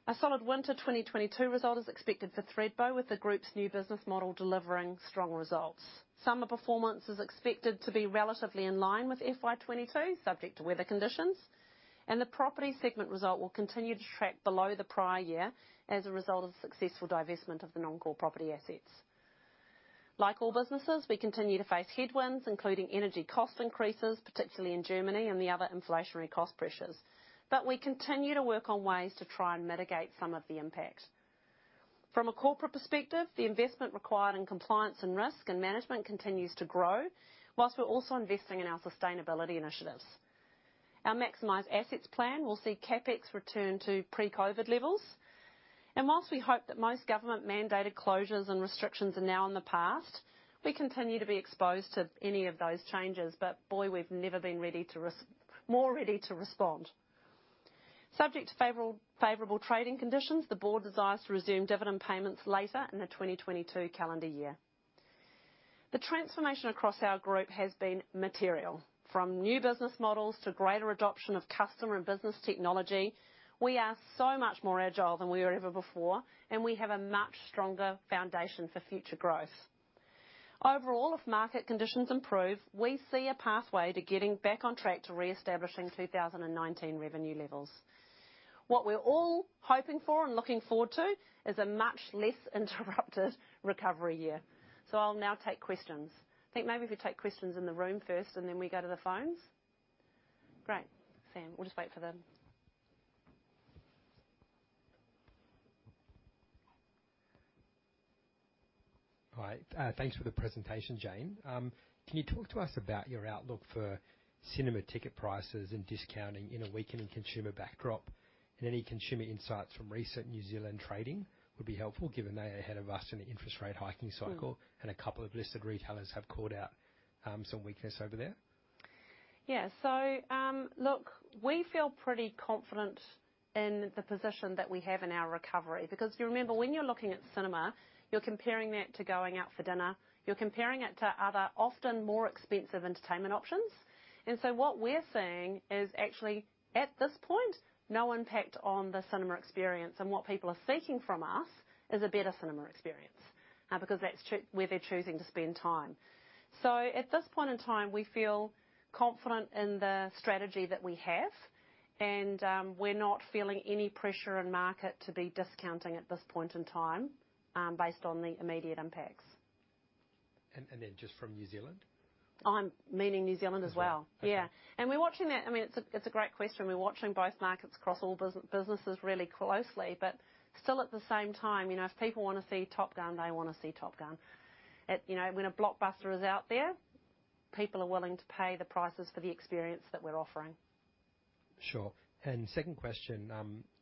A: A solid winter 2022 result is expected for Thredbo, with the group's new business model delivering strong results. Summer performance is expected to be relatively in line with FY 2022, subject to weather conditions, and the property segment result will continue to track below the prior year as a result of successful divestment of the non-core property assets. Like all businesses, we continue to face headwinds, including energy cost increases, particularly in Germany and the other inflationary cost pressures. We continue to work on ways to try and mitigate some of the impact. From a corporate perspective, the investment required in compliance and risk and management continues to grow, while we're also investing in our sustainability initiatives. Our Maximized Assets plan will see CapEx return to pre-COVID levels. While we hope that most government-mandated closures and restrictions are now in the past, we continue to be exposed to any of those changes. Boy, we've never been more ready to respond. Subject to favorable trading conditions, the board desires to resume dividend payments later in the 2022 calendar year. The transformation across our group has been material. From new business models to greater adoption of customer and business technology, we are so much more agile than we were ever before, and we have a much stronger foundation for future growth. Overall, if market conditions improve, we see a pathway to getting back on track to reestablishing 2019 revenue levels. What we're all hoping for and looking forward to is a much less interrupted recovery year. I'll now take questions. I think maybe if you take questions in the room first, and then we go to the phones. Great. Sam, we'll just wait for the
B: All right. Thanks for the presentation, Jane. Can you talk to us about your outlook for cinema ticket prices and discounting in a weakening consumer backdrop and any consumer insights from recent New Zealand trading would be helpful, given they are ahead of us in the interest rate hiking cycle?
A: Mm-hmm.
B: A couple of listed retailers have called out some weakness over there.
A: Yeah. Look, we feel pretty confident in the position that we have in our recovery, because if you remember, when you're looking at cinema, you're comparing that to going out for dinner, you're comparing it to other often more expensive entertainment options. What we're seeing is actually, at this point, no impact on the cinema experience. What people are seeking from us is a better cinema experience, because that's where they're choosing to spend time. At this point in time, we feel confident in the strategy that we have, and we're not feeling any pressure in market to be discounting at this point in time, based on the immediate impacts.
B: Just from New Zealand?
A: I mean New Zealand as well.
B: Okay.
A: Yeah. We're watching that. I mean, it's a great question. We're watching both markets across all businesses really closely, but still at the same time, you know, if people wanna see Top Gun, they wanna see Top Gun. It, you know, when a blockbuster is out there, people are willing to pay the prices for the experience that we're offering.
B: Sure. Second question,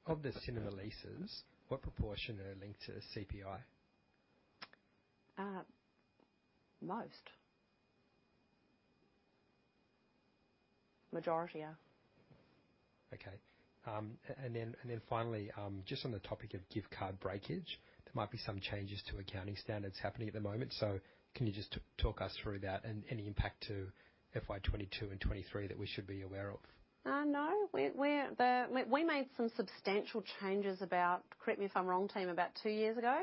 B: of the cinema leases, what proportion are linked to CPI?
A: Majority are.
B: Finally, just on the topic of gift card breakage, there might be some changes to accounting standards happening at the moment. Can you just talk us through that and any impact to FY 2022 and 2023 that we should be aware of?
A: No. We made some substantial changes about, correct me if I'm wrong, team, about 2 years ago,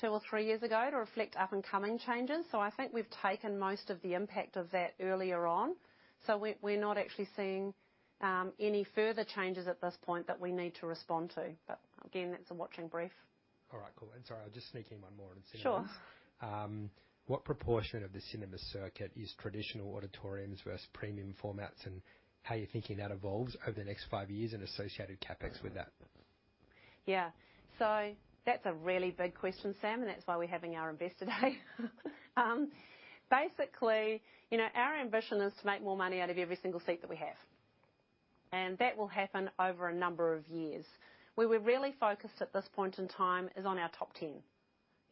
A: 2 or 3 years ago, to reflect up and coming changes. I think we've taken most of the impact of that earlier on. We're not actually seeing any further changes at this point that we need to respond to. Again, that's a watching brief.
B: All right, cool. Sorry, I'll just sneak in one more on cinemas.
A: Sure.
B: What proportion of the cinema circuit is traditional auditoriums versus premium formats? How are you thinking that evolves over the next five years, and associated CapEx with that?
A: Yeah. That's a really big question, Sam, and that's why we're having our investor day. Basically, you know, our ambition is to make more money out of every single seat that we have. That will happen over a number of years. Where we're really focused at this point in time is on our top ten,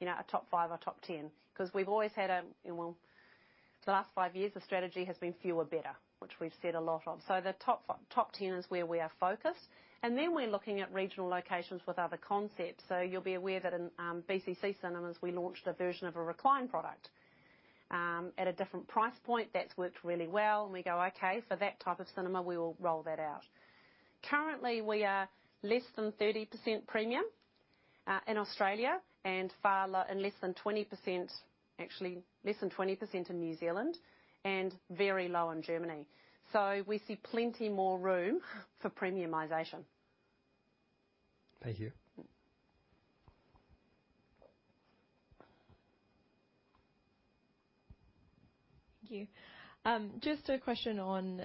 A: you know, our top five, our top ten. 'Cause we've always had a, you know, well, the last five years, the strategy has been fewer better, which we've said a lot of. The top ten is where we are focused, and then we're looking at regional locations with other concepts. You'll be aware that in BCC Cinemas, we launched a version of a recline product at a different price point. That's worked really well, and we go, "Okay, for that type of cinema, we will roll that out." Currently, we are less than 30% premium in Australia and less than 20%, actually less than 20% in New Zealand and very low in Germany. We see plenty more room for premiumization.
B: Thank you.
A: Mm.
C: Thank you. Just a question on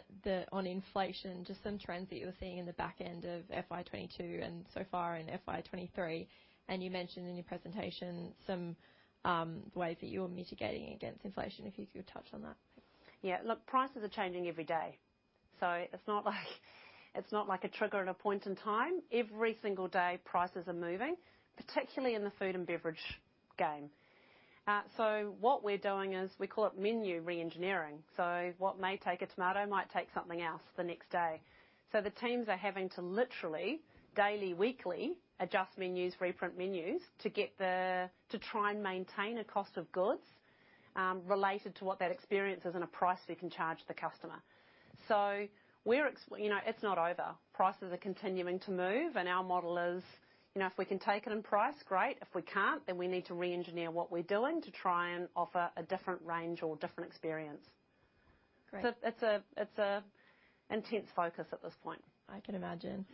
C: inflation, just some trends that you're seeing in the back end of FY 2022 and so far in FY 2023, and you mentioned in your presentation some ways that you're mitigating against inflation. If you could touch on that.
A: Look, prices are changing every day, so it's not like a trigger at a point in time. Every single day, prices are moving, particularly in the food and beverage game. What we're doing is we call it menu re-engineering. What may take a tomato might take something else the next day. The teams are having to literally daily, weekly adjust menus, reprint menus to try and maintain a cost of goods related to what that experience is and a price we can charge the customer. You know, it's not over. Prices are continuing to move, and our model is, you know, if we can take it in price, great. If we can't, then we need to re-engineer what we're doing to try and offer a different range or different experience.
C: Great.
A: It's an intense focus at this point.
C: I can imagine.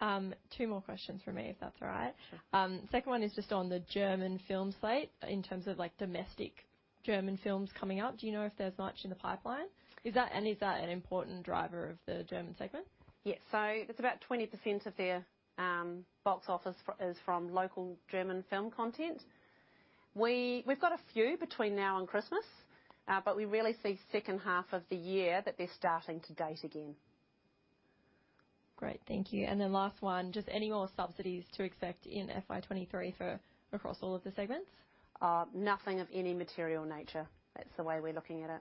A: Mm.
C: Two more questions from me, if that's all right.
A: Sure.
C: Second one is just on the German film slate in terms of domestic German films coming out. Do you know if there's much in the pipeline?
A: Yes.
C: Is that an important driver of the German segment?
A: Yes. It's about 20% of their box office is from local German film content. We've got a few between now and Christmas, but we really see second half of the year that they're starting to date again.
C: Great. Thank you. Last one, just any more subsidies to expect in FY 23 for across all of the segments?
A: Nothing of any material nature. That's the way we're looking at it.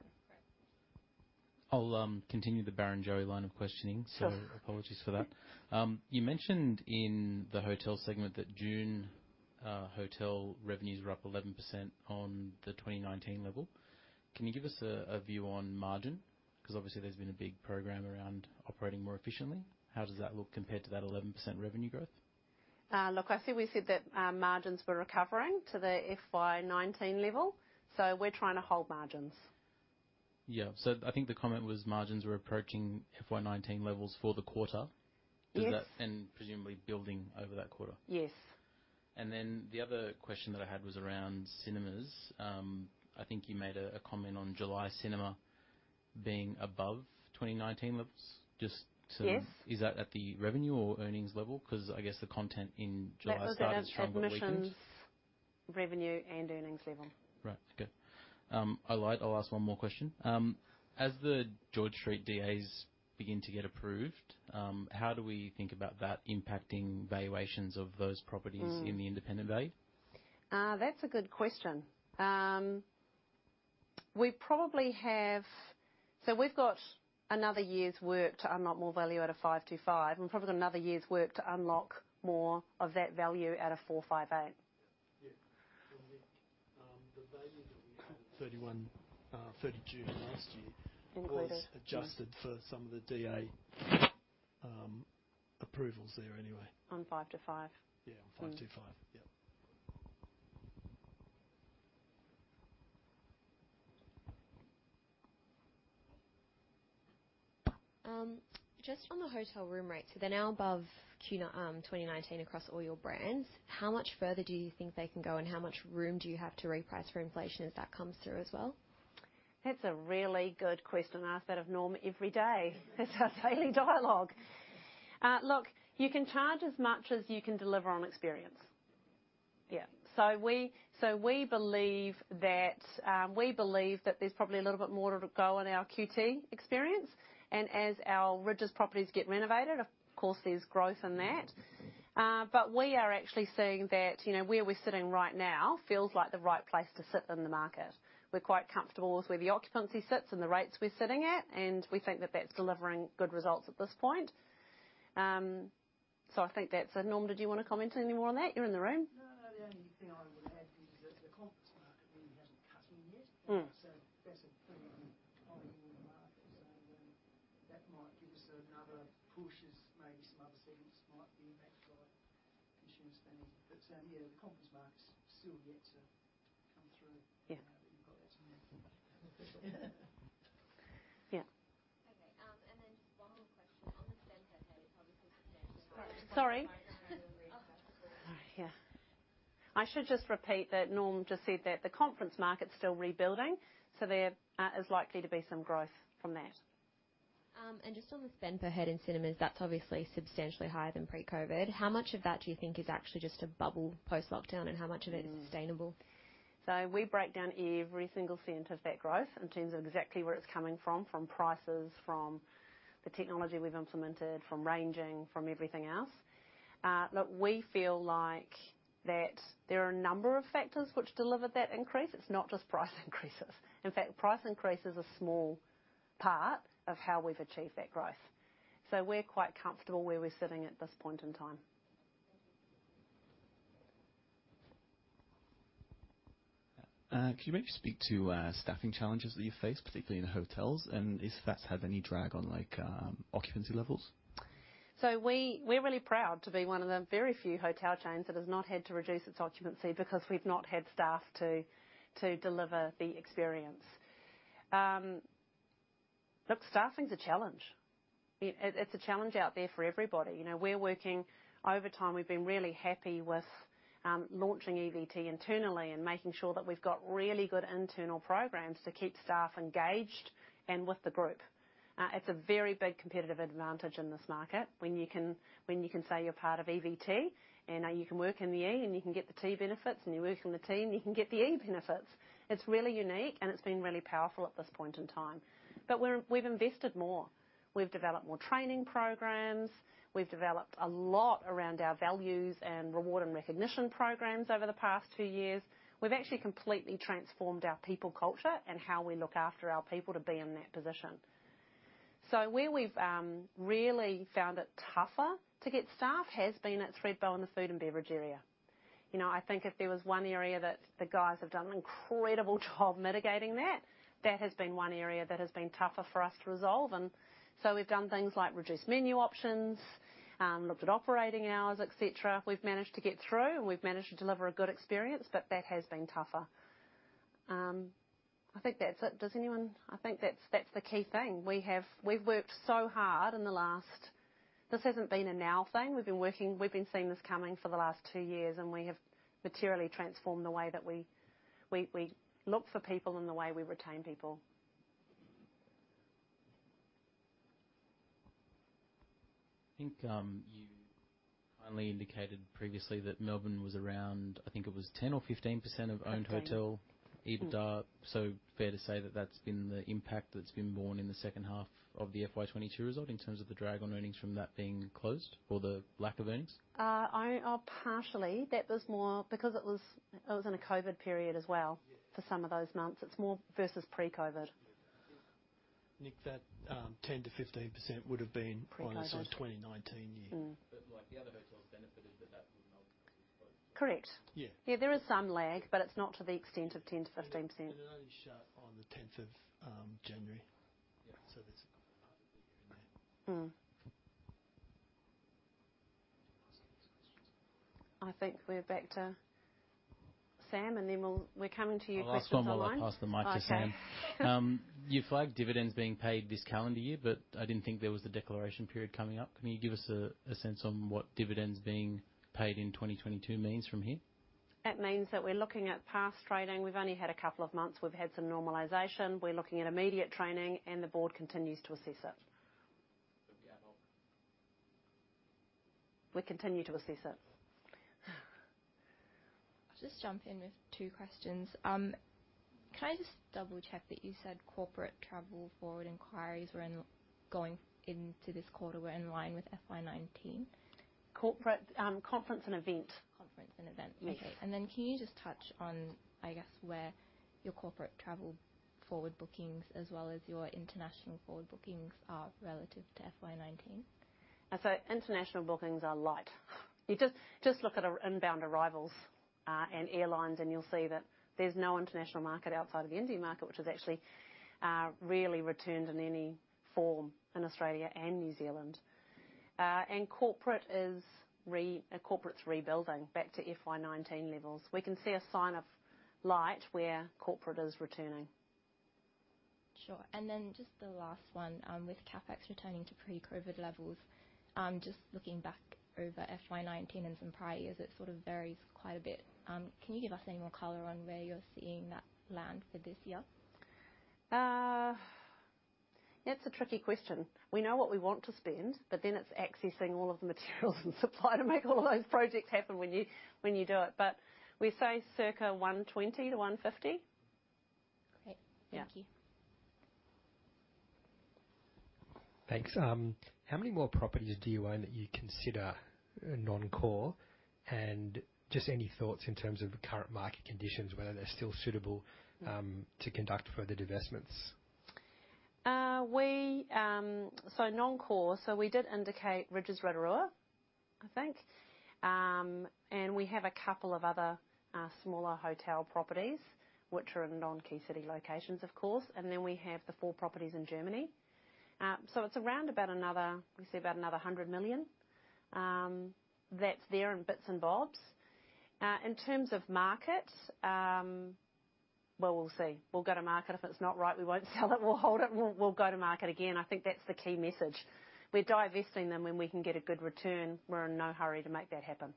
C: Great.
D: I'll continue the Barrenjoey line of questioning.
A: Sure.
D: Apologies for that. You mentioned in the hotel segment that June hotel revenues were up 11% on the 2019 level. Can you give us a view on margin? 'Cause obviously there's been a big program around operating more efficiently. How does that look compared to that 11% revenue growth?
A: Look, I think we said that margins were recovering to the FY 19 level, so we're trying to hold margins.
D: Yeah. I think the comment was margins were approaching FY 19 levels for the quarter.
A: Yes.
D: Presumably building over that quarter.
A: Yes.
D: The other question that I had was around cinemas. I think you made a comment on July cinema being above 2019 levels.
A: Yes.
D: Is that at the revenue or earnings level? 'Cause I guess the content in July started strong on the weekends.
A: That was at admissions, revenue, and earnings level.
D: Right. Okay. I'll ask one more question. As the George Street DAs begin to get approved, how do we think about that impacting valuations of those properties?
A: Mm.
D: In the independent value?
A: That's a good question. We probably have another year's work to unlock more value out of 525, and probably another year's work to unlock more of that value out of 458.
E: Yeah. The value that we had at 31, 30 June last year.
A: Included.
E: Was adjusted for some of the DA approvals there anyway.
A: On 525?
E: Yeah, on 525. Yeah.
F: Just on the hotel room rates. They're now above 2019 across all your brands. How much further do you think they can go, and how much room do you have to reprice for inflation as that comes through as well?
A: That's a really good question. I ask that of Norm every day. That's our daily dialogue. Look, you can charge as much as you can deliver on experience. Yeah. We believe that there's probably a little bit more to go on our QT experience. As our Rydges properties get renovated, of course there's growth in that. We are actually seeing that, you know, where we're sitting right now feels like the right place to sit in the market. We're quite comfortable with where the occupancy sits and the rates we're sitting at, and we think that that's delivering good results at this point. I think that's it. Norm, did you want to comment any more on that? You're in the room.
G: No. The only thing I would add is that the conference market really hasn't kicked in yet.
A: Mm.
G: That's a pretty high yield market. That might give us another push as maybe some other segments might be impacted by consumer spending. Yeah, the conference market's still yet to come through.
A: Yeah.
G: You know, you've got that in there.
A: Yeah.
F: Okay. Just one more question. On the spend per head, it's obviously substantial.
A: Sorry. Yeah. I should just repeat that Norm just said that the conference market's still rebuilding, so there is likely to be some growth from that.
F: Just on the spend per head in cinemas, that's obviously substantially higher than pre-COVID. How much of that do you think is actually just a bubble post-lockdown, and how much of it is sustainable?
A: We break down every single cent of that growth in terms of exactly where it's coming from. From prices, from the technology we've implemented, from ranging, from everything else. Look, we feel like that there are a number of factors which delivered that increase. It's not just price increases. In fact, price increase is a small part of how we've achieved that growth. We're quite comfortable where we're sitting at this point in time.
D: Can you maybe speak to staffing challenges that you face, particularly in the hotels? Is that had any drag on, like, occupancy levels?
A: We're really proud to be one of the very few hotel chains that has not had to reduce its occupancy because we've not had staff to deliver the experience. Look, staffing's a challenge. It's a challenge out there for everybody. You know, we're working overtime. We've been really happy with launching EVT internally and making sure that we've got really good internal programs to keep staff engaged and with the group. It's a very big competitive advantage in this market when you can say you're part of EVT, and you can work in the E and you can get the T benefits, and you work in the T and you can get the E benefits. It's really unique, and it's been really powerful at this point in time. We've invested more. We've developed more training programs. We've developed a lot around our values and reward and recognition programs over the past two years. We've actually completely transformed our people culture and how we look after our people to be in that position. Where we've really found it tougher to get staff has been at Thredbo in the food and beverage area. You know, I think if there was one area that the guys have done an incredible job mitigating that has been one area that has been tougher for us to resolve. We've done things like reduced menu options, looked at operating hours, et cetera. We've managed to get through, and we've managed to deliver a good experience, but that has been tougher. I think that's it. I think that's the key thing. We've worked so hard in the last... This hasn't been a now thing. We've been seeing this coming for the last two years, and we have materially transformed the way that we look for people and the way we retain people.
D: I think, you finally indicated previously that Melbourne was around, I think it was 10% or 15% of owned hotel.
A: Yeah.
D: Fair to say that that's been the impact that's been borne in the second half of the FY 2022 result in terms of the drag on earnings from that being closed or the lack of earnings?
A: Oh, partially. That was more because it was in a COVID period as well.
D: Yeah.
A: for some of those months. It's more versus pre-COVID.
E: Nick, that 10%-15% would have been.
A: Pre-COVID.
E: on a sort of 2019 year.
A: Mm.
D: Like the other hotels benefited, but that one ultimately closed.
A: Correct.
E: Yeah.
A: Yeah, there is some lag, but it's not to the extent of 10%-15%.
E: It only shut on the tenth of January.
D: Yeah.
E: There's a couple of months in there.
A: Mm.
E: Do you want to ask the next question?
A: I think we're back to Sam, and then we're coming to you, Christian, online.
D: Last one while I pass the mic to Sam.
A: Okay.
D: You flagged dividends being paid this calendar year, but I didn't think there was the declaration period coming up. Can you give us a sense on what dividends being paid in 2022 means from here?
A: That means that we're looking at past trading. We've only had a couple of months. We've had some normalization. We're looking at immediate trading, and the board continues to assess it.
D: The outlook?
A: We continue to assess it.
F: I'll just jump in with two questions. Can I just double check that you said corporate travel forward inquiries going into this quarter were in line with FY 2019?
A: Corporate, conference and event.
F: Conference and Events.
A: Yes.
F: Okay. Can you just touch on, I guess, where your corporate travel forward bookings as well as your international forward bookings are relative to FY 19?
A: International bookings are light. You just look at our inbound arrivals and airlines, and you'll see that there's no international market outside of the Indian market, which has actually really returned in any form in Australia and New Zealand. Corporate's rebuilding back to FY 19 levels. We can see a sign of light where corporate is returning.
F: Sure. Just the last one. With CapEx returning to pre-COVID levels, just looking back over FY 19 and some prior years, it sort of varies quite a bit. Can you give us any more color on where you're seeing that land for this year?
A: It's a tricky question. We know what we want to spend, but then it's accessing all of the materials and supply to make all of those projects happen when you do it. We say circa 120-150.
F: Great.
A: Yeah.
F: Thank you.
H: Thanks. How many more properties do you own that you consider non-core? Just any thoughts in terms of the current market conditions, whether they're still suitable to conduct further divestments?
A: Non-core. We did indicate Rydges Rotorua, I think. We have a couple of other smaller hotel properties, which are in non-key city locations, of course. Then we have the 4 properties in Germany. It's around about another 100 million, that's there in bits and bobs. In terms of market, well, we'll see. We'll go to market. If it's not right, we won't sell it. We'll hold it. We'll go to market again. I think that's the key message. We're divesting them when we can get a good return. We're in no hurry to make that happen.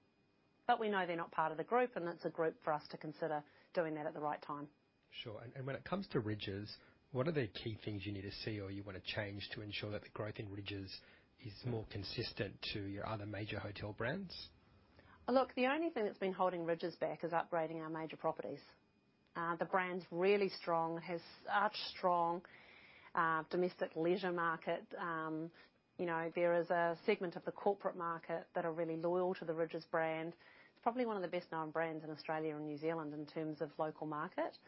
A: We know they're not part of the group, and it's a group for us to consider doing that at the right time.
H: Sure. When it comes to Rydges, what are the key things you need to see or you want to change to ensure that the growth in Rydges is more consistent to your other major hotel brands?
A: Look, the only thing that's been holding Rydges back is upgrading our major properties. The brand's really strong. It has such strong domestic leisure market. You know, there is a segment of the corporate market that are really loyal to the Rydges brand. It's probably one of the best-known brands in Australia and New Zealand in terms of local market.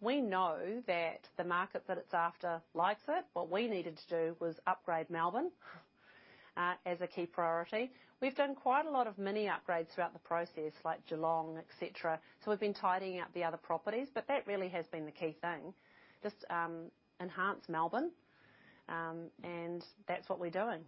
A: We know that the market that it's after likes it. What we needed to do was upgrade Melbourne as a key priority. We've done quite a lot of mini upgrades throughout the process, like Geelong, et cetera. We've been tidying up the other properties. That really has been the key thing, just enhance Melbourne, and that's what we're doing.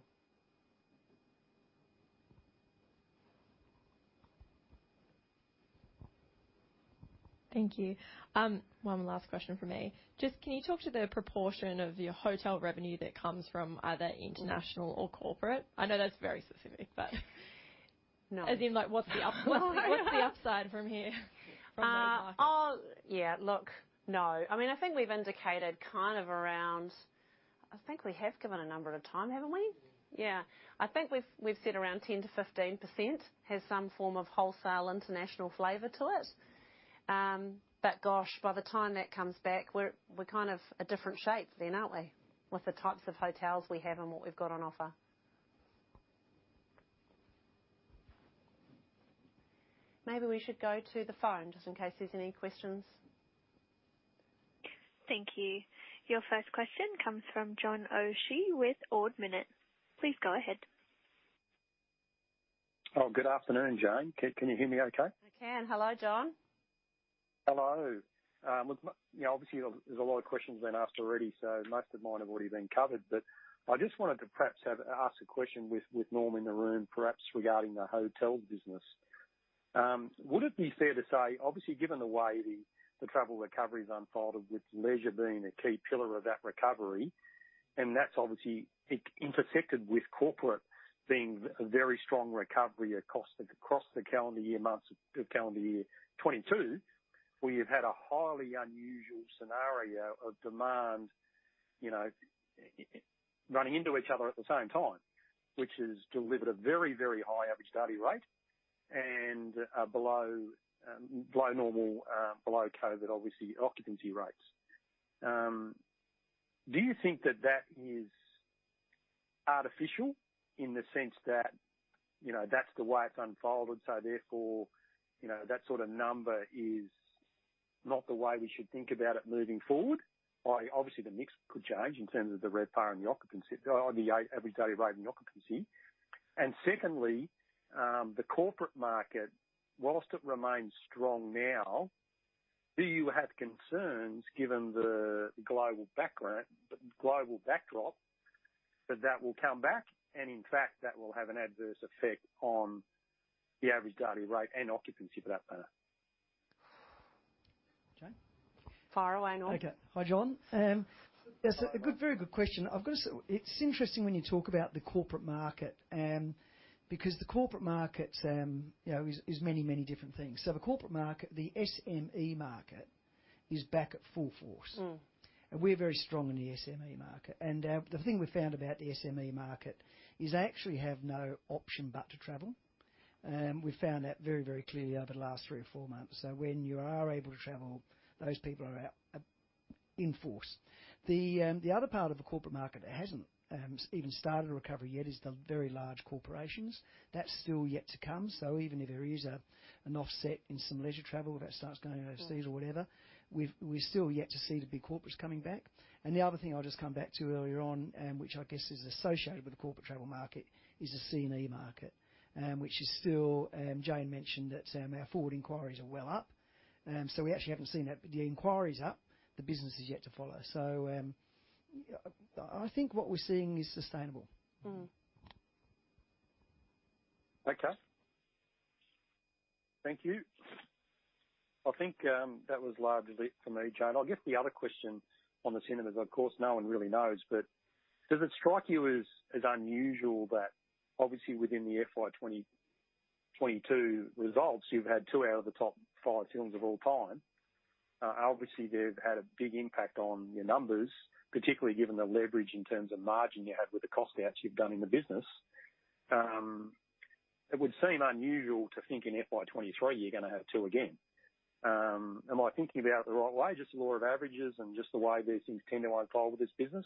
F: Thank you. One last question from me. Just can you talk to the proportion of your hotel revenue that comes from either international or corporate? I know that's very specific.
A: No.
F: As in, like, what's the up-
A: Well, yeah.
F: What's the upside from here?
A: Yeah, look, no. I mean, I think we've indicated kind of around. I think we have given a number of times, haven't we? Yeah. I think we've said around 10%-15% has some form of wholesale international flavor to it. But gosh, by the time that comes back, we're kind of a different shape than, aren't we? With the types of hotels we have and what we've got on offer. Maybe we should go to the phone, just in case there's any questions.
I: Thank you. Your first question comes from John O'Shea with Ord Minnett. Please go ahead.
J: Oh, good afternoon, Jane. Can you hear me okay?
A: I can. Hello, John.
J: Hello. Obviously, there's a lot of questions been asked already, so most of mine have already been covered. I just wanted to perhaps ask a question with Norm in the room, perhaps regarding the hotel business. Would it be fair to say, obviously, given the way the travel recovery has unfolded, with leisure being a key pillar of that recovery, and that's obviously intersected with corporate being a very strong recovery across the calendar year, months of calendar year 2022. Where you've had a highly unusual scenario of demand, you know, running into each other at the same time. Which has delivered a very high average daily rate and below normal, below COVID, obviously, occupancy rates. Do you think that is artificial in the sense that, you know, that's the way it's unfolded, so therefore, you know, that sort of number is not the way we should think about it moving forward? Obviously, the mix could change in terms of the RevPAR and the occupancy, or the average daily rate and occupancy. Secondly, the corporate market, while it remains strong now, do you have concerns, given the global backdrop, that that will come back, and in fact, that will have an adverse effect on the average daily rate and occupancy, for that matter?
G: Jane? Fire away, Norm. Okay. Hi, John. That's a very good question. I've got to say, it's interesting when you talk about the corporate market, because the corporate market, you know, is many different things. The corporate market, the SME market, is back at full force.
A: Mm.
G: We're very strong in the SME market. The thing we found about the SME market is they actually have no option but to travel. We found that very, very clearly over the last three or four months. When you are able to travel, those people are out in force. The other part of the corporate market that hasn't even started a recovery yet is the very large corporations. That's still yet to come. Even if there is an offset in some leisure travel that starts going overseas or whatever, we're still yet to see the big corporates coming back. The other thing I'll just come back to earlier on, and which I guess is associated with the corporate travel market, is the C&E market, which is still, Jane mentioned that, our forward inquiries are well up. We actually haven't seen that. The inquiry's up, the business is yet to follow. I think what we're seeing is sustainable.
A: Mm-hmm.
J: Okay. Thank you. I think that was largely it for me, Jane. I guess the other question on the cinemas, of course, no one really knows, but does it strike you as unusual that obviously within the FY 2022 results, you've had two out of the top five films of all time. Obviously they've had a big impact on your numbers, particularly given the leverage in terms of margin you had with the cost outs you've done in the business. It would seem unusual to think in FY 2023 you're gonna have two again. Am I thinking about it the right way? Just law of averages and just the way these things tend to unfold with this business?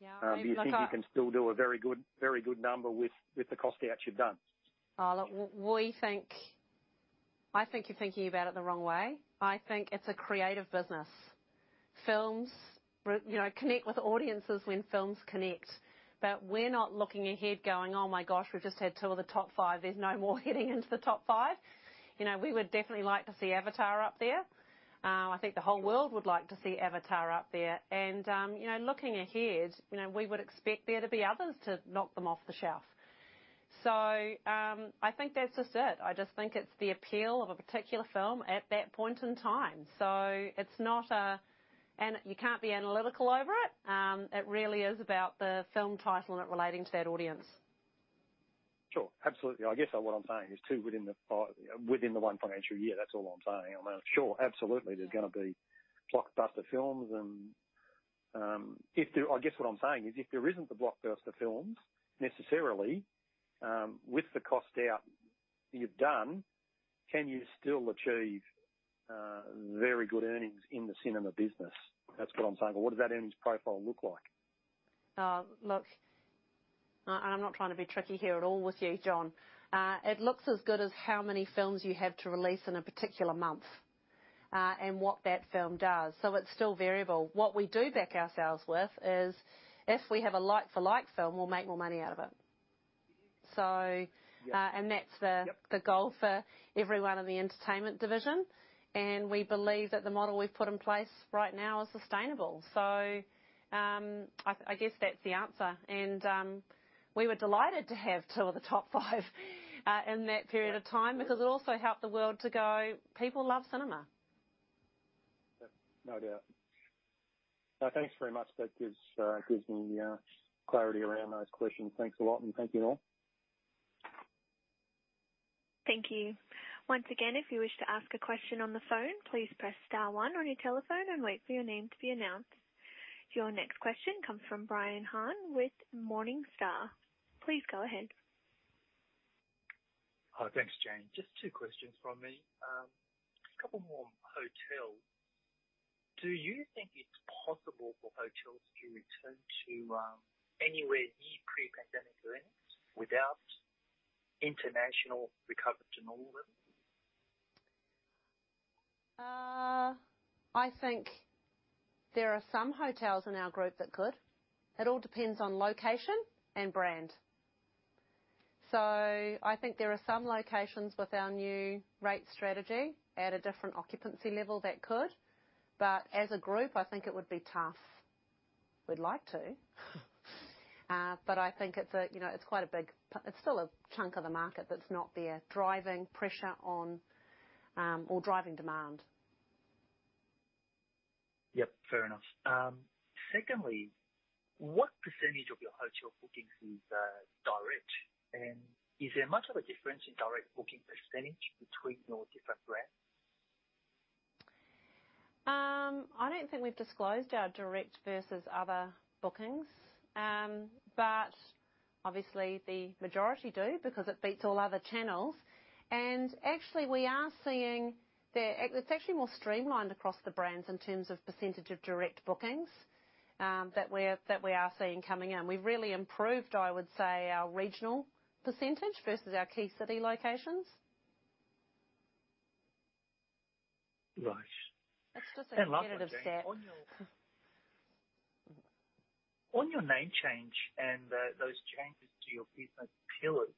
A: Yeah, I think.
J: Do you think you can still do a very good number with the cost outs you've done?
A: Oh, look, we think. I think you're thinking about it the wrong way. I think it's a creative business. Films, you know, connect with audiences when films connect. We're not looking ahead going, "Oh my gosh, we've just had two of the top five. There's no more getting into the top five." You know, we would definitely like to see Avatar up there. I think the whole world would like to see Avatar up there. You know, looking ahead, you know, we would expect there to be others to knock them off the shelf. I think that's just it. I just think it's the appeal of a particular film at that point in time. You can't be analytical over it. It really is about the film title and it relating to that audience.
J: Sure. Absolutely. I guess what I'm saying is two within the one financial year. That's all I'm saying. I mean, sure, absolutely.
A: Yeah.
J: There's gonna be blockbuster films and I guess what I'm saying is, if there isn't the blockbuster films necessarily, with the cost out you've done, can you still achieve very good earnings in the cinema business? That's what I'm saying. What does that earnings profile look like?
A: Oh, look, I'm not trying to be tricky here at all with you, John. It looks as good as how many films you have to release in a particular month, and what that film does. It's still variable. What we do back ourselves with is if we have a like for like film, we'll make more money out of it.
J: Yeah.
A: That's the.
J: Yep.
A: The goal for everyone in the entertainment division. We believe that the model we've put in place right now is sustainable. I guess that's the answer. We were delighted to have two of the top five in that period of time because it also helped the world to go, "People love cinema.
J: Yeah, no doubt. Thanks very much. That gives me clarity around those questions. Thanks a lot, and thank you all.
I: Thank you. Once again, if you wish to ask a question on the phone, please press star one on your telephone and wait for your name to be announced. Your next question comes from Brian Han with Morningstar. Please go ahead.
K: Hi. Thanks, Jane. Just two questions from me. A couple more on hotels. Do you think it's possible for hotels to return to anywhere near pre-pandemic earnings without international recovery to normal?
A: I think there are some hotels in our group that could. It all depends on location and brand. I think there are some locations with our new rate strategy at a different occupancy level that could, but as a group, I think it would be tough. We'd like to. I think it's, you know, It's still a chunk of the market that's not there, driving pressure on, or driving demand.
K: Yep, fair enough. Secondly, what percentage of your hotel bookings is direct? And is there much of a difference in direct booking percentage between your different brands?
A: I don't think we've disclosed our direct versus other bookings. Obviously the majority do because it beats all other channels. Actually, we are seeing that it's actually more streamlined across the brands in terms of percentage of direct bookings that we are seeing coming in. We've really improved, I would say, our regional percentage versus our key city locations.
K: Right.
A: It's just a competitive set.
K: Lastly, Jane, on your name change and those changes to your business pillars,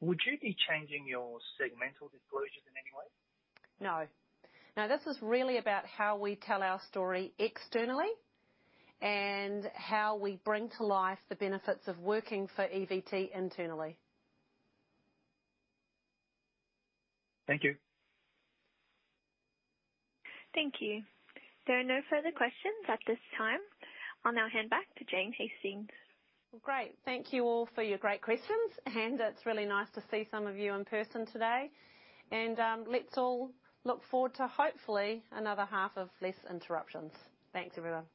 K: would you be changing your segmental disclosures in any way?
A: No. No, this is really about how we tell our story externally and how we bring to life the benefits of working for EVT internally.
K: Thank you.
I: Thank you. There are no further questions at this time. I'll now hand back to Jane Hastings.
A: Great. Thank you all for your great questions, and it's really nice to see some of you in person today. Let's all look forward to hopefully another half of less interruptions. Thanks, everyone.